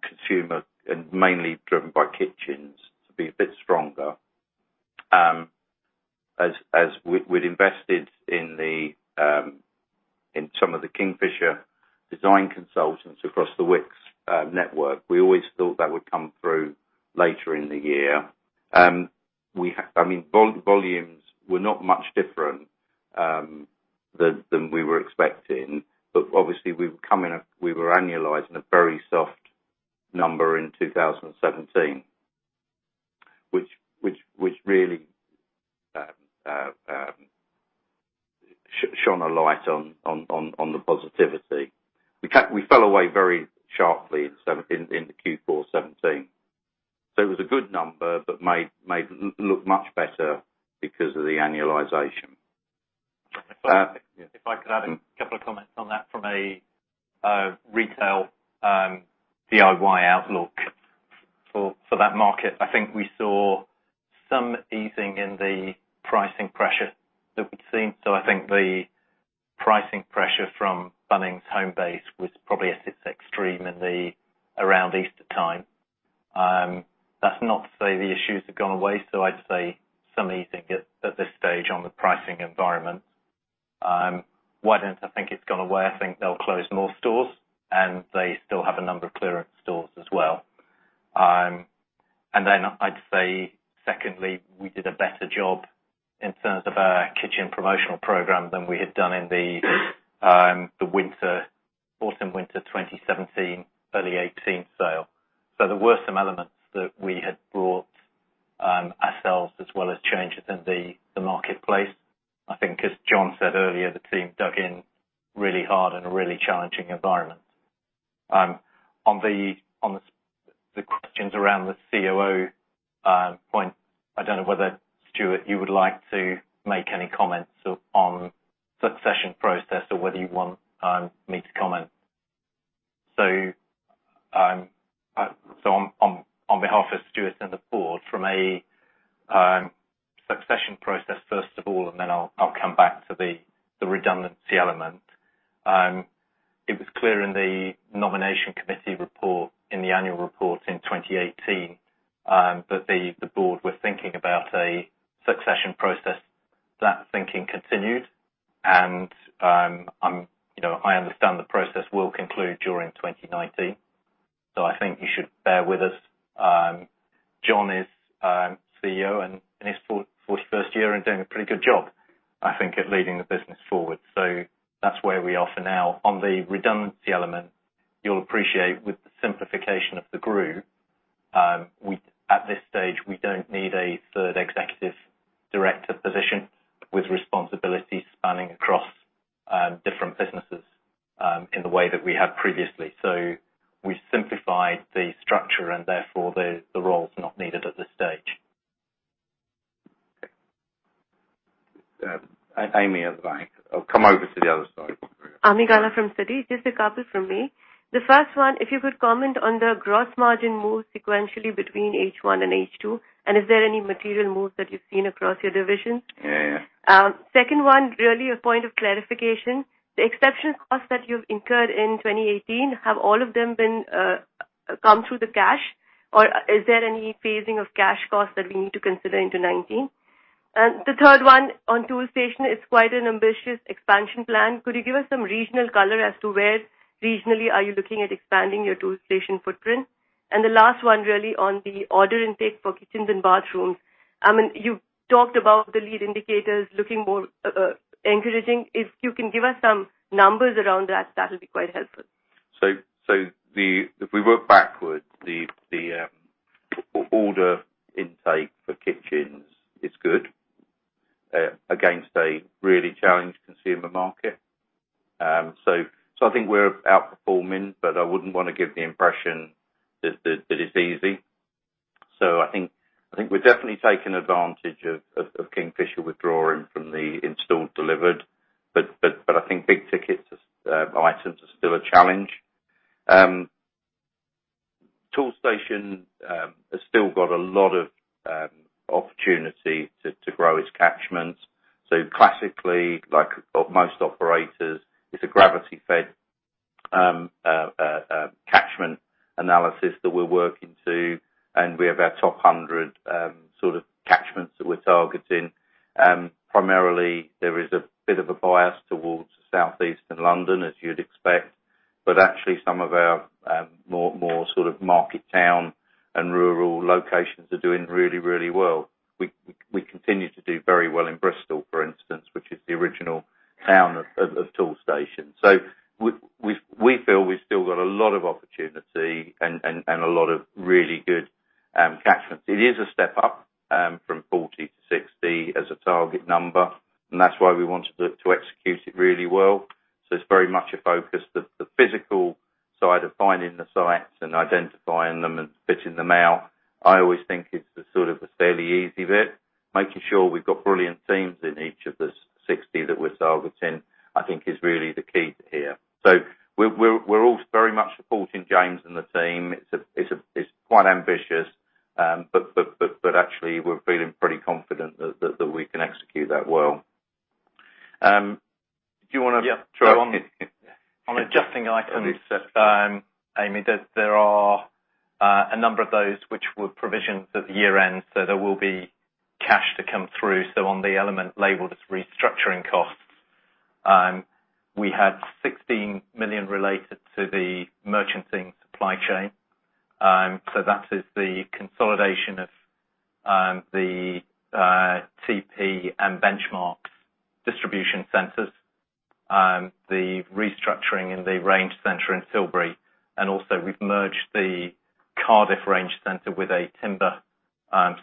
consumer, and mainly driven by kitchens, to be a bit stronger. As we'd invested in some of the Kingfisher design consultants across the Wickes network. We always thought that would come through later in the year. Volumes were not much different than we were expecting. Obviously, we were annualizing a very soft number in 2017, which really shone a light on the positivity. We fell away very sharply in the Q4 2017. It was a good number, but made it look much better because of the annualization. If I could add a couple of comments on that from a retail DIY outlook for that market. I think we saw some easing in the pricing pressure that we'd seen. I think the pricing pressure from Bunnings Homebase was probably at its extreme in around Easter time. That's not to say the issues have gone away, so I'd say some easing at this stage on the pricing environment. Why don't I think it's gone away? I think they'll close more stores, and they still have a number of clearance stores as well. I'd say, secondly, we did a better job in terms of our kitchen promotional program than we had done in the autumn, winter 2017, early 2018 sale. There were some elements that we had brought ourselves as well as changes in the marketplace. I think as John said earlier, the team dug in really hard in a really challenging environment. On the questions around the COO point, I don't know whether, Stuart, you would like to make any comments on succession process or whether you want me to comment. On behalf of Stuart and the board, from a succession process, first of all, and then I'll come back to the redundancy element. It was clear in the nomination committee report in the annual report in 2018, that the board were thinking about a succession process. That thinking continued. I understand the process will conclude during 2019. I think you should bear with us. John is CEO, and in his 41st year and doing a pretty good job, I think, at leading the business forward. That's where we are for now. On the redundancy element, you'll appreciate with the simplification of the group. At this stage, we don't need a third executive director position with responsibilities spanning across different businesses in the way that we have previously. We simplified the structure and therefore the role is not needed at this stage. Ami at the back. I'll come over to the other side. Ami Galla from Citi. Just a couple from me. The first one, if you could comment on the gross margin move sequentially between H1 and H2. Is there any material moves that you've seen across your divisions? Yeah. Second one, really a point of clarification. The exception costs that you've incurred in 2018, have all of them come through the cash, or is there any phasing of cash costs that we need to consider into 2019? The third one on Toolstation, it's quite an ambitious expansion plan. Could you give us some regional color as to where regionally are you looking at expanding your Toolstation footprint? The last one, really on the order intake for kitchens and bathrooms. You talked about the lead indicators looking more encouraging. If you can give us some numbers around that'll be quite helpful. If we work backward, the order intake for kitchens is good against a really challenged consumer market. I think we're outperforming, but I wouldn't want to give the impression that it's easy. I think we're definitely taking advantage of Kingfisher withdrawing from the installed delivered, but I think big ticket items are still a challenge. Toolstation has still got a lot of opportunity to grow its catchments. Classically, like most operators, it's a gravity-fed catchment analysis that we're working to, and we have our top 100 sort of catchments that we're targeting. Primarily, there is a bit of a bias towards Southeast and London, as you'd expect. But actually, some of our more sort of market town and rural locations are doing really well. We continue to do very well in Bristol, for instance, which is the original town of Toolstation. We feel we've still got a lot of opportunity and a lot of really good catchments. It is a step up from 40 to 60 as a target number, and that's why we wanted to execute it really well. It's very much a focus. The physical side of finding the sites and identifying them and fitting them out, I always think is the sort of a fairly easy bit. Making sure we've got brilliant teams in each of the 60 that we're targeting, I think is really the key here. We're all very much supporting James and the team. It's quite ambitious, but actually, we're feeling pretty confident that we can execute that well. On adjusting items, Ami, there are a number of those which were provisions at the year-end, so there will be cash to come through. On the element labeled as restructuring costs, we had 16 million related to the merchanting supply chain. That is the consolidation of the TP and Benchmarx distribution centers, the restructuring in the range center in Silbury, and also we've merged the Cardiff range center with a timber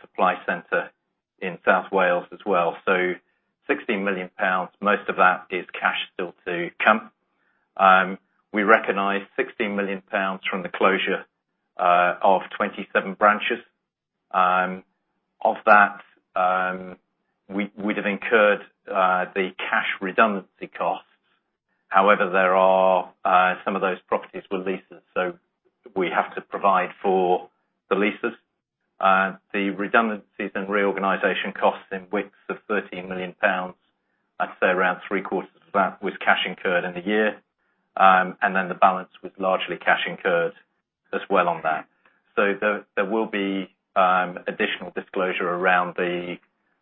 supply center in South Wales as well. 16 million pounds, most of that is cash still to come. We recognized 16 million pounds from the closure of 27 branches. Of that, we'd have incurred the cash redundancy costs. However, some of those properties were leases, so we have to provide for the leases. The redundancies and reorganization costs in Wickes of 13 million pounds, I'd say around three-quarters of that was cash incurred in the year, and then the balance was largely cash incurred as well on that. There will be additional disclosure around the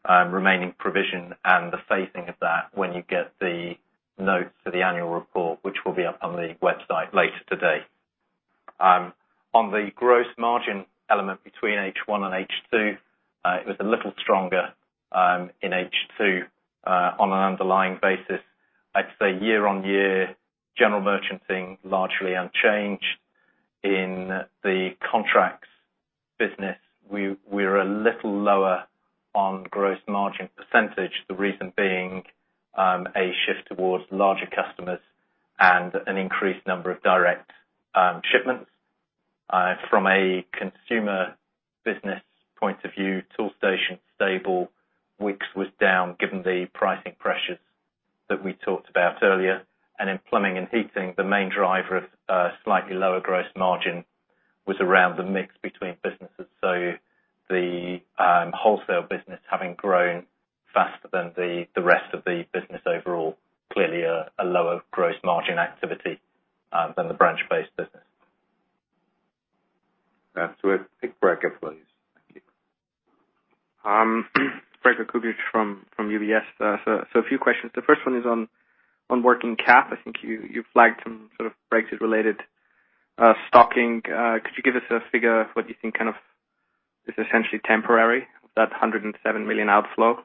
remaining provision and the phasing of that when you get the notes for the annual report, which will be up on the website later today. On the gross margin element between H1 and H2, it was a little stronger in H2, on an underlying basis. I'd say year-on-year, general merchanting largely unchanged. In the contracts business, we're a little lower on gross margin percentage, the reason being, a shift towards larger customers and an increased number of direct shipments. From a consumer business point of view, Toolstation stable, Wickes was down given the pricing pressures that we talked about earlier. In Plumbing and Heating, the main driver of slightly lower gross margin was around the mix between businesses. The wholesale business having grown faster than the rest of the business overall, clearly a lower gross margin activity than the branch-based business. Gregor Kuglitsch, please. Thank you. Gregor Kuglitsch from UBS. A few questions. The first one is on working cap. I think you flagged some sort of Brexit-related stocking. Could you give us a figure of what you think is essentially temporary, that 107 million outflow?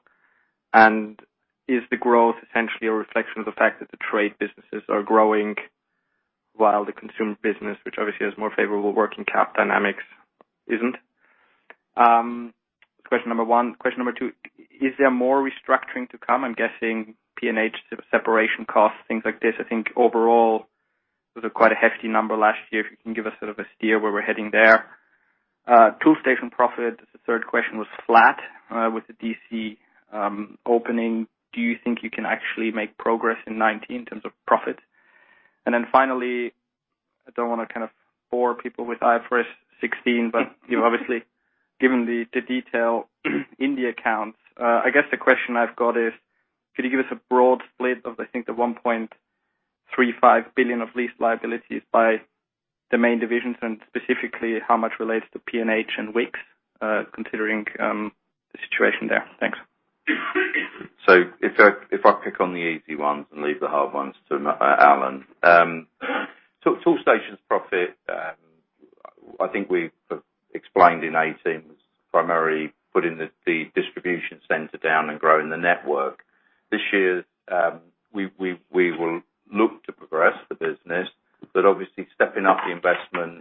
Is the growth essentially a reflection of the fact that the trade businesses are growing while the consumer business, which obviously has more favorable working cap dynamics, isn't? That's question number one. Question number two, is there more restructuring to come? I'm guessing P&H separation costs, things like this. I think overall, it was quite a hefty number last year. If you can give us sort of a steer where we're heading there? Toolstation profit, the third question, was flat with the DC opening. Do you think you can actually make progress in 2019 in terms of profit? Finally, I don't want to kind of bore people with IFRS 16, obviously given the detail in the accounts, I guess the question I've got is, could you give us a broad split of, I think, the 1.35 billion of lease liabilities by the main divisions? Specifically, how much relates to P&H and Wickes, considering the situation there? Thanks. If I pick on the easy ones and leave the hard ones to Alan. Toolstation's profit, I think we explained in 2018 was primarily putting the DC down and growing the network. This year, we will look to progress the business, obviously stepping up the investment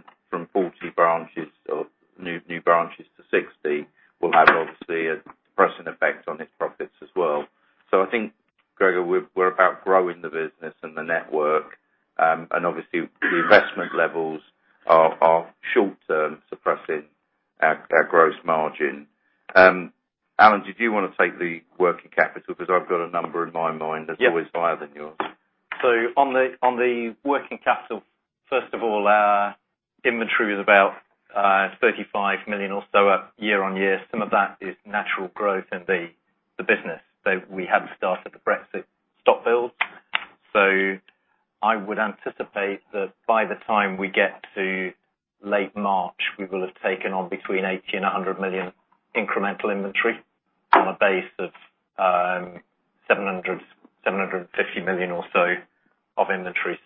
from 40 branches or new branches to 60 will have obviously a depressing effect on its profits as well. I think, Gregor, we're about growing the business and the network, obviously the investment levels are short term suppressing our gross margin. Alan, did you want to take the working capital? I've got a number in my mind that's always higher than yours. On the working capital, first of all, our inventory was about GBP 35 million or so up year-on-year. Some of that is natural growth in the business, though we hadn't started the Brexit stock build. I would anticipate that by the time we get to late March, we will have taken on between 80 million and 100 million incremental inventory on a base of 750 million or so of inventory.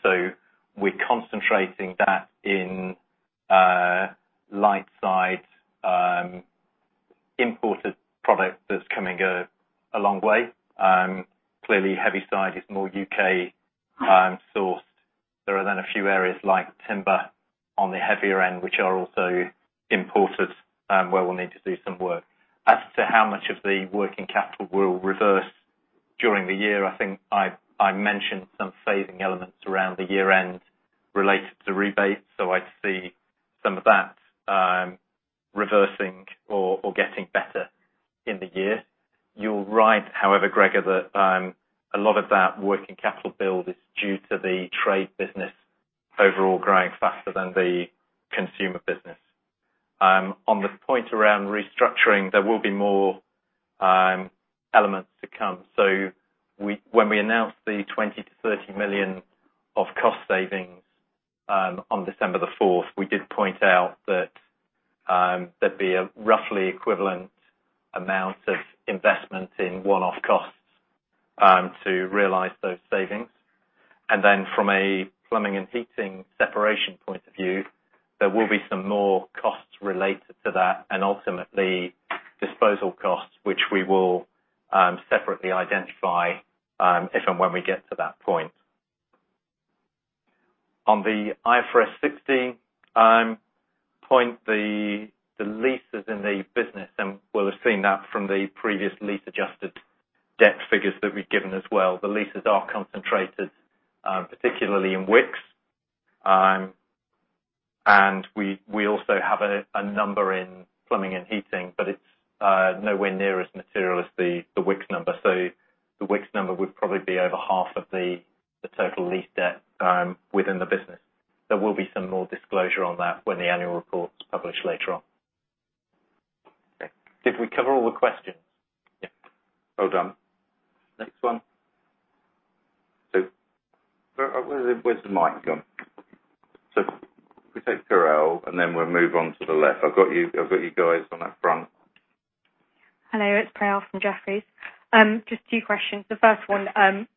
We're concentrating that in light side imported product that's coming a long way. Clearly, heavy side is more U.K. sourced. There are a few areas like timber on the heavier end, which are also imported, where we'll need to do some work. As to how much of the working capital will reverse during the year, I think I mentioned some phasing elements around the year end related to rebates, so I'd see some of that reversing or getting better in the year. You're right, however, Gregor, that a lot of that working capital build is due to the trade business overall growing faster than the consumer business. On the point around restructuring, there will be more elements to come. When we announced the 20 million-30 million of cost savings on December 4th, we did point out that there'd be a roughly equivalent amount of investment in one-off costs to realize those savings. From a plumbing and heating separation point of view, there will be some more costs related to that and ultimately disposal costs, which we will separately identify, if and when we get to that point. On the IFRS 16 point, the leases in the business, and we'll have seen that from the previous lease-adjusted debt figures that we've given as well, the leases are concentrated particularly in Wickes. We also have a number in Plumbing and Heating, but it's nowhere near as material as the Wickes number. The Wickes number would probably be over half of the total lease debt within the business. There will be some more disclosure on that when the annual report's published later on. Okay. Did we cover all the questions? Yeah. Well done. Next one. Where's the mic gone? If we take Priyal, and then we'll move on to the left. I've got you guys on that front. Hello, it's Priyal from Jefferies. Just two questions. The first one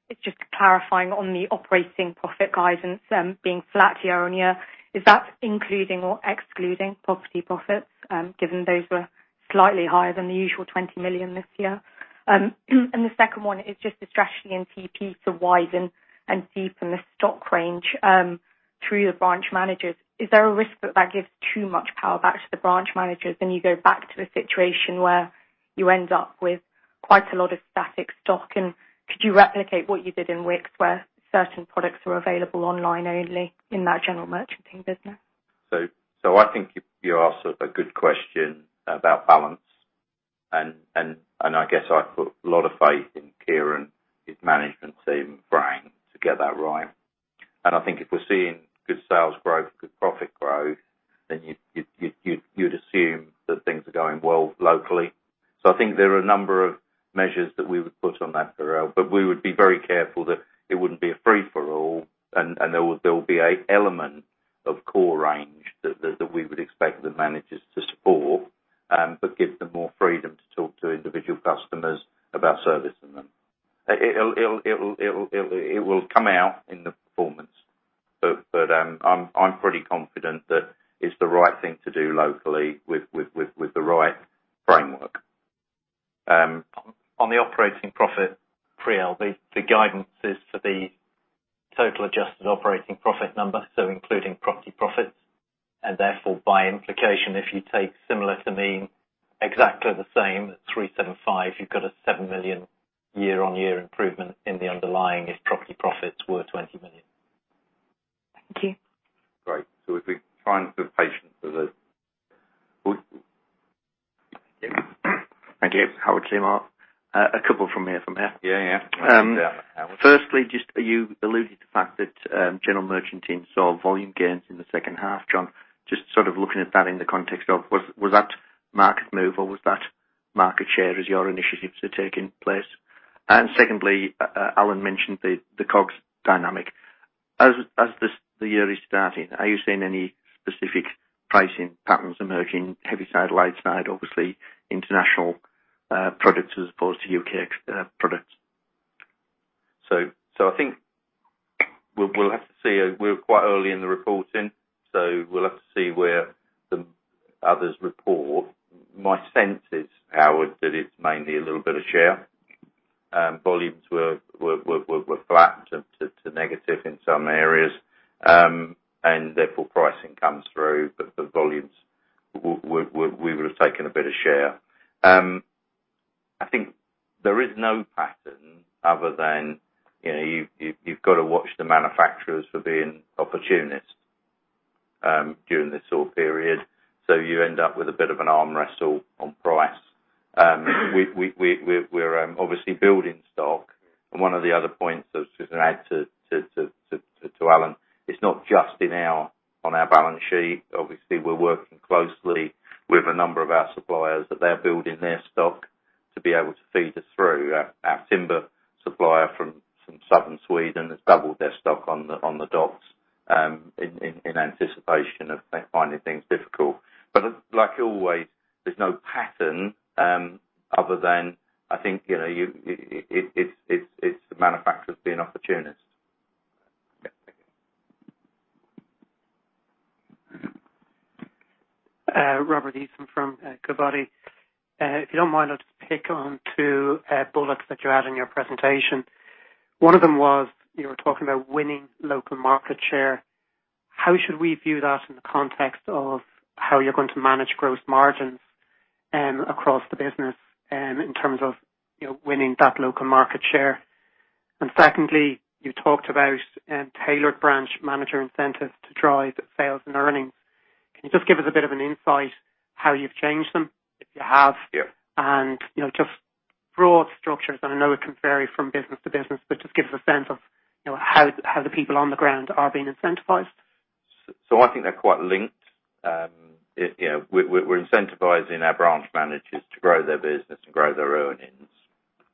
is just clarifying on the operating profit guidance being flat year-on-year. Is that including or excluding property profits, given those were slightly higher than the usual 20 million this year? The second one is just the strategy in TP to widen and deepen the stock range through the branch managers. Is there a risk that that gives too much power back to the branch managers? You go back to a situation where you end up with quite a lot of static stock. Could you replicate what you did in Wickes, where certain products were available online only in that general merchanting business? I think you asked a good question about balance, I guess I put a lot of faith in Kieran, his management team, and Frank to get that right. I think if we're seeing good sales growth, good profit growth, then you'd assume that things are going well locally. I think there are a number of measures that we would put on that, Priyal, we would be very careful that it wouldn't be a free-for-all, there will be an element of core range that we would expect the managers to support, but give them more freedom to talk to individual customers about servicing them. It will come out in the performance. I'm pretty confident that it's the right thing to do locally with the right framework. On the operating profit, Priyal, the guidance is for the total adjusted operating profit number, including property profits, and therefore by implication, if you take similar to mean exactly the same, 375, you've got a 7 million year-on-year improvement in the underlying if property profits were 20 million. Thank you. Great. If we try and be patient with it. Thank you. Howard Seymour. A couple from here. Yeah. Firstly, just you alluded to the fact that general merchant teams saw volume gains in the second half, John, just sort of looking at that in the context of, was that market move or was that market share as your initiatives are taking place? Secondly, Alan mentioned the COGS dynamic. As the year is starting, are you seeing any specific pricing patterns emerging, heavy side, light side, obviously international products as opposed to U.K. products? I think we'll have to see. We're quite early in the reporting, so we'll have to see where the others report. My sense is, Howard, that it's mainly a little bit of share. Volumes were flat to negative in some areas, and therefore pricing comes through, but the volumes, we would have taken a bit of share. I think there is no pattern other than you've got to watch the manufacturers for being opportunist during this sore period. You end up with a bit of an arm wrestle on price. We're obviously building stock. One of the other points, just to add to Alan, it's not just on our balance sheet. Obviously, we're working closely with a number of our suppliers that they're building their stock to be able to feed us through. Our timber supplier from Southern Sweden has doubled their stock on the docks in anticipation of them finding things difficult. Like always, there's no pattern other than I think it's the manufacturers being opportunist. Okay. Thank you. Robert Eason from Goodbody. If you don't mind, I'll just pick on two bullets that you had in your presentation. One of them was you were talking about winning local market share. How should we view that in the context of how you're going to manage gross margins across the business in terms of winning that local market share? Secondly, you talked about tailored branch manager incentives to drive sales and earnings. Can you just give us a bit of an insight how you've changed them, if you have? Yeah. Just broad structures, I know it can vary from business to business, just give us a sense of how the people on the ground are being incentivized. I think they're quite linked. We're incentivizing our branch managers to grow their business and grow their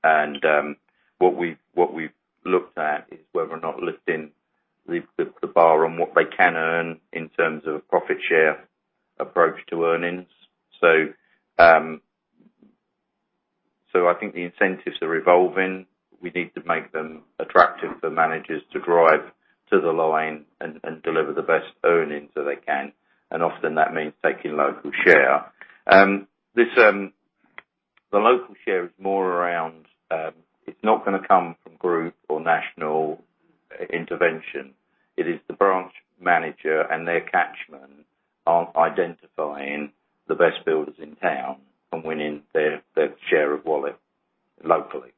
earnings. What we've looked at is whether or not lifting the bar on what they can earn in terms of profit share approach to earnings. I think the incentives are evolving. We need to make them attractive for managers to drive to the line and deliver the best earnings that they can. Often that means taking local share. The local share is more around, it's not going to come from group or national intervention. It is the branch manager and their catchment identifying the best builders in town and winning their share of wallet locally.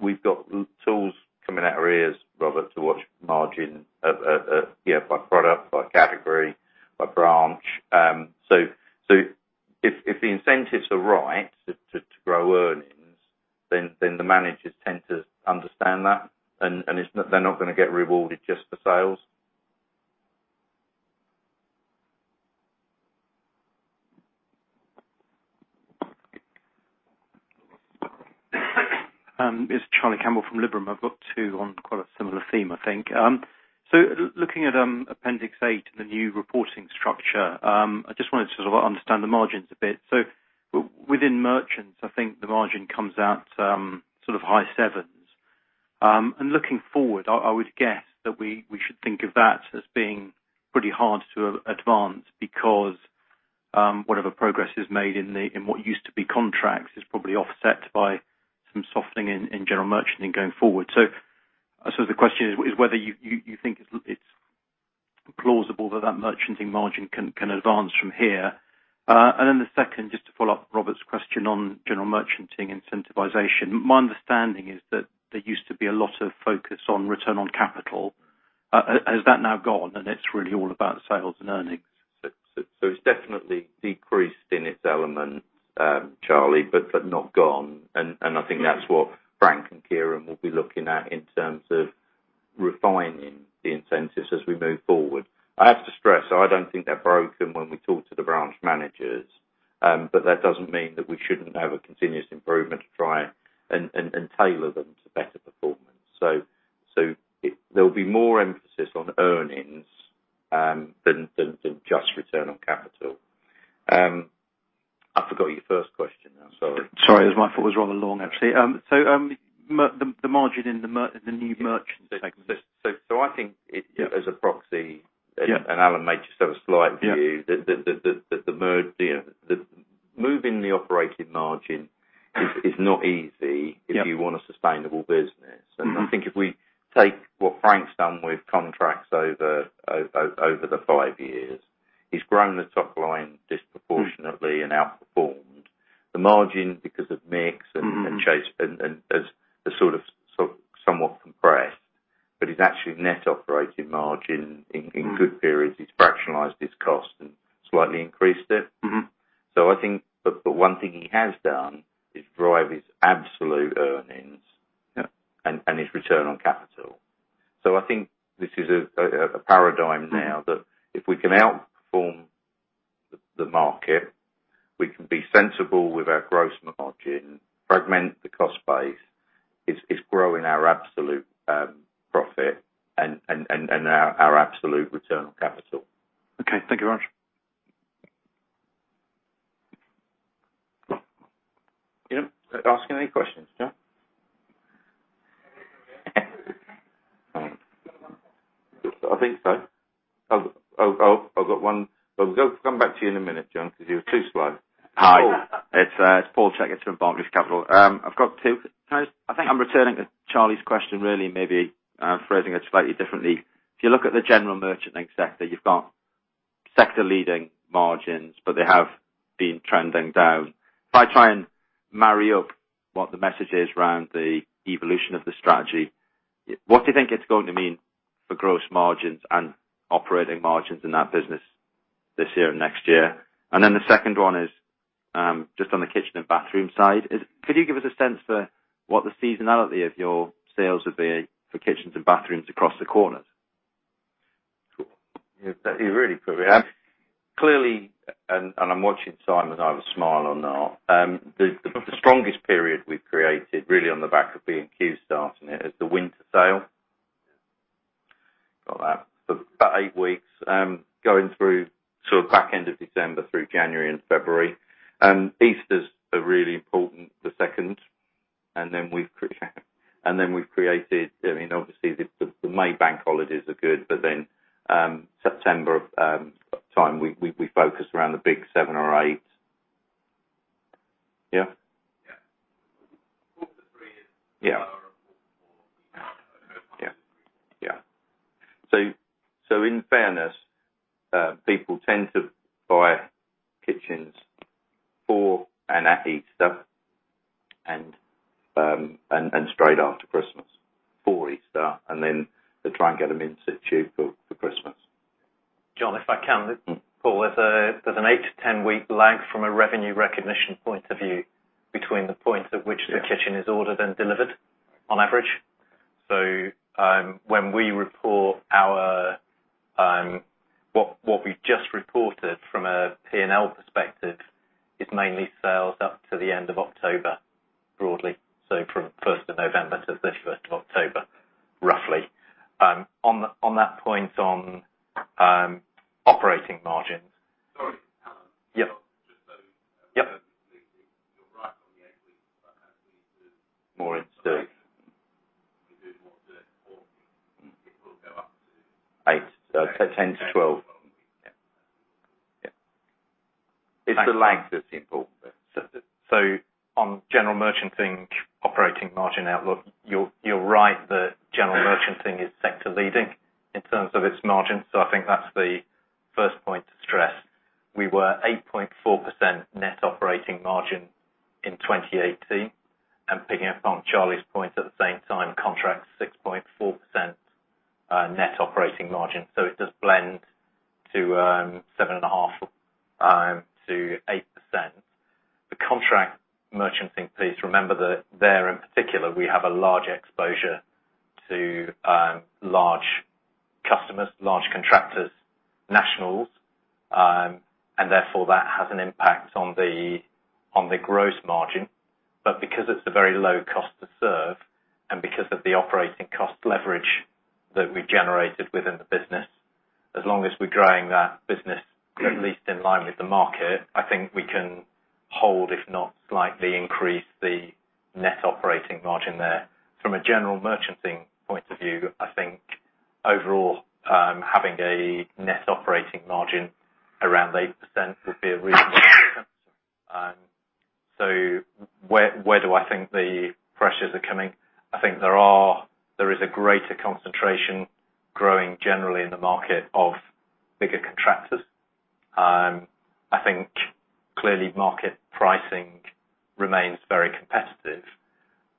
We've got tools coming out our ears, Robert, to watch margin by product, by category, by branch. If the incentives are right to grow earnings, then the managers tend to understand that, and they're not going to get rewarded just for sales. It's Charlie Campbell from Liberum. I've got two on quite a similar theme, I think. Looking at appendix eight, the new reporting structure, I just wanted to sort of understand the margins a bit. Within merchants, I think the margin comes out sort of high sevens. Looking forward, I would guess that we should think of that as being pretty hard to advance because whatever progress is made in what used to be contracts is probably offset by some softening in general merchanting going forward. I suppose the question is whether you think it's plausible that that merchanting margin can advance from here. Then the second, just to follow up Robert's question on general merchanting incentivization. My understanding is that there used to be a lot of focus on return on capital. Has that now gone and it's really all about sales and earnings? It's definitely decreased in its elements, Charlie, but not gone. I think that's what Frank and Kieran will be looking at in terms of refining the incentives as we move forward. I have to stress, I don't think they're broken when we talk to the branch managers, but that doesn't mean that we shouldn't have a continuous improvement to try and tailor them to better performance. There'll be more emphasis on earnings, than just return on capital. I forgot your first question now. Sorry. Sorry. My thought was rather long, actually. The margin in the new merchant segment. I think it, as a proxy- Yeah. Alan might just have a slight view. Yeah. That the Moving the operating margin is not easy- Yeah if you want a sustainable business. I think if we take what Frank's done with contracts over the five years, he's grown the top line disproportionately and outperformed the margin because of mix and chase and sort of somewhat compressed, his actual net operating margin in good periods, he's fractionalized his cost and slightly increased it. I think the one thing he has done is drive his absolute earnings- Yeah and his return on capital. I think this is a paradigm now that if we can outperform the market, we can be sensible with our gross margin, fragment the cost base, it's growing our absolute profit and our absolute return on capital. Okay. Thank you very much. You're not asking any questions, John? I think so, yeah. I think so. I've got one. We'll come back to you in a minute, John, because you were too slow. Hi. It's Paul Checketts from Barclays Capital. I've got two. Can I just I think I'm returning to Charlie's question, really, maybe phrasing it slightly differently. If you look at the general merchanting sector, you've got sector-leading margins, but they have been trending down. If I try and marry up what the message is around the evolution of the strategy, what do you think it's going to mean for gross margins and operating margins in that business this year and next year? Then the second one is, just on the kitchen and bathroom side, could you give us a sense for what the seasonality of your sales would be for kitchens and bathrooms across the quarters? Sure. You really put me on the Clearly, and I'm watching Simon eye with smile on now. The strongest period we've created, really on the back of B&Q starting it, is the winter sale. Got that for about eight weeks, going through back end of December through January and February. Easter's a really important, the second. We've created, obviously, the May Bank Holidays are good, September time, we focus around the big seven or eight. Yeah? Yeah. Four to three is- Yeah Yeah. In fairness, people tend to buy kitchens for and at Easter and straight after Christmas, for Easter, and then they try and get them installed for Christmas. John, if I can. Paul, there's an eight to 10-week lag from a revenue recognition point of view between the point at which the kitchen is ordered and delivered, on average. When we report our What we just reported from a P&L perspective is mainly sales up to the end of October, broadly, from the 1st of November to 31st of October, roughly. On that point on operating margins, Sorry, Alan. Yep, you're right on the eight weeks, but actually to do what Paul said, it will go up to eight to 10 to 12. Yeah. It's the lag that's important. On general merchanting operating margin outlook, you're right that general merchanting is sector leading in terms of its margins. I think that's the first point to stress. We were 8.4% net operating margin in 2018, picking up on Charlie's point at the same time, contracts 6.4% net operating margin. It does blend to 7.5%-8%. The contract merchanting piece, remember that there in particular, we have a large exposure to large customers, large contractors, nationals, and therefore that has an impact on the gross margin. Because it's a very low cost to serve and because of the operating cost leverage that we generated within the business, as long as we're growing that business at least in line with the market, I think we can hold, if not slightly increase, the net operating margin there. From a general merchanting point of view, I think overall, having a net operating margin around 8% would be a reasonable assumption. Where do I think the pressures are coming? I think there is a greater concentration growing generally in the market of bigger contractors. I think clearly market pricing remains very competitive,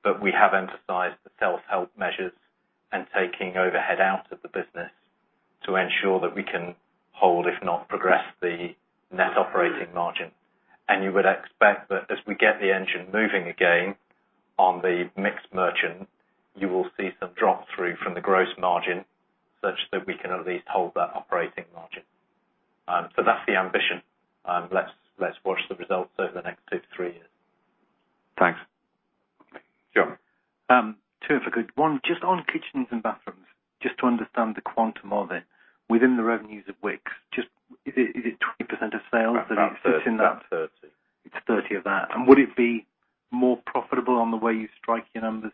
but we have emphasized the self-help measures and taking overhead out of the business to ensure that we can hold, if not progress, the net operating margin. You would expect that as we get the engine moving again on the mixed merchant, you will see some drop-through from the gross margin such that we can at least hold that operating margin. That's the ambition. Let's watch the results over the next two to three years. Thanks. John. Two if I could. One, just on kitchens and bathrooms, just to understand the quantum of it within the revenues of Wickes. Is it 20% of sales? About 30%. It's 30% of that. Would it be more profitable on the way you strike your numbers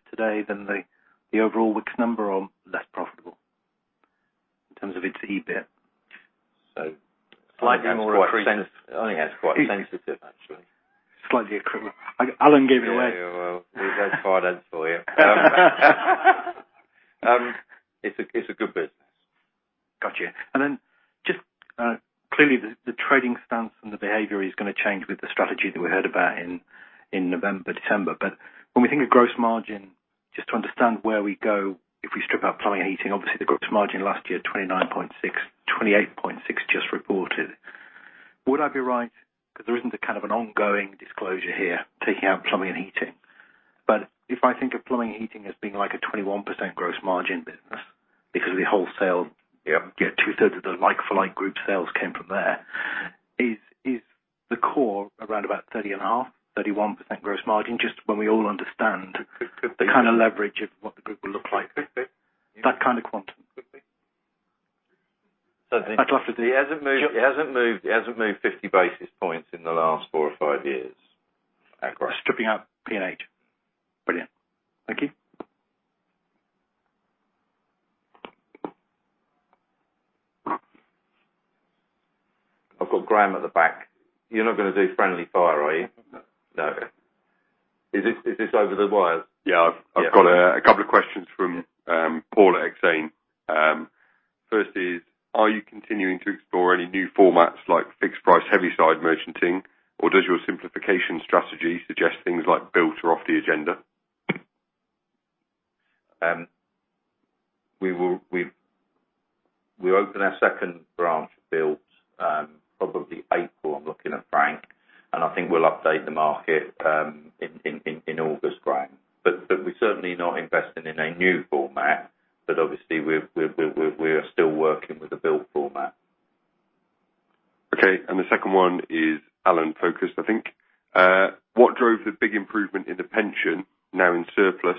now in surplus,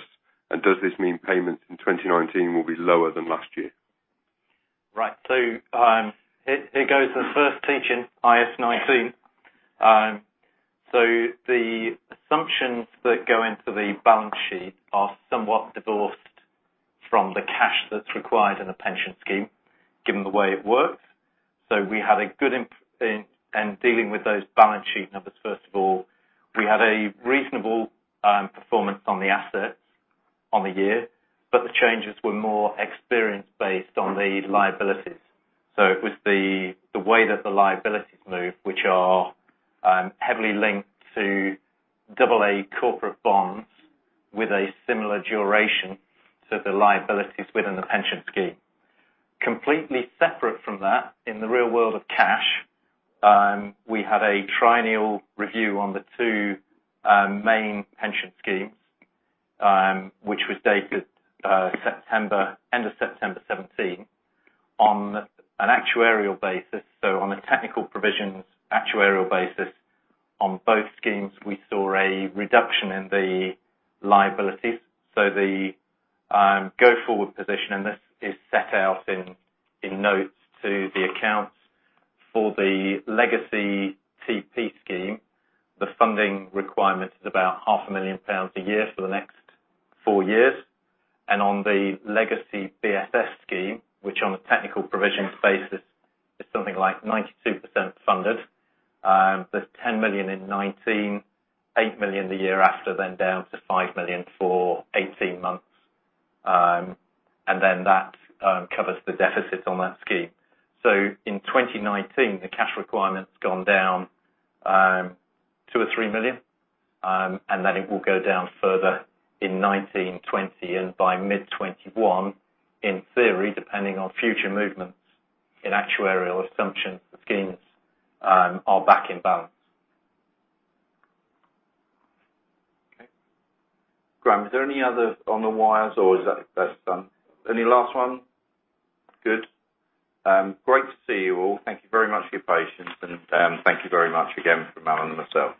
and does this mean payments in 2019 will be lower than last year? Right. Here goes the first teaching, IAS 19. The assumptions that go into the balance sheet are somewhat divorced from the cash that's required in a pension scheme, given the way it works. In dealing with those balance sheet numbers, first of all, we had a reasonable performance on the assets on the year. The changes were more experience-based on the liabilities. It was the way that the liabilities move, which are heavily linked to AA corporate bonds with a similar duration to the liabilities within the pension scheme. Completely separate from that, in the real world of cash, we had a triennial review on the two main pension schemes, which was dated end of September 2017. On an actuarial basis, on a technical provisions actuarial basis on both schemes, we saw a reduction in the liabilities. The go-forward position, and this is set out in notes to the accounts for the legacy TP scheme, the funding requirement is about half a million GBP a year for the next four years. On the legacy BSS scheme, which on a technical provisions basis is something like 92% funded, there is 10 million in 2019, 8 million the year after then down to 5 million for 18 months, and then that covers the deficit on that scheme. In 2019, the cash requirement's gone down 2 million or 3 million, and then it will go down further in 2019, 2020, and by mid 2021, in theory, depending on future movements in actuarial assumptions, the schemes are back in balance. Okay. Graham, is there any other on the wires or is that the best, son? Any last one? Good. Great to see you all. Thank you very much for your patience, and thank you very much again from Alan and myself.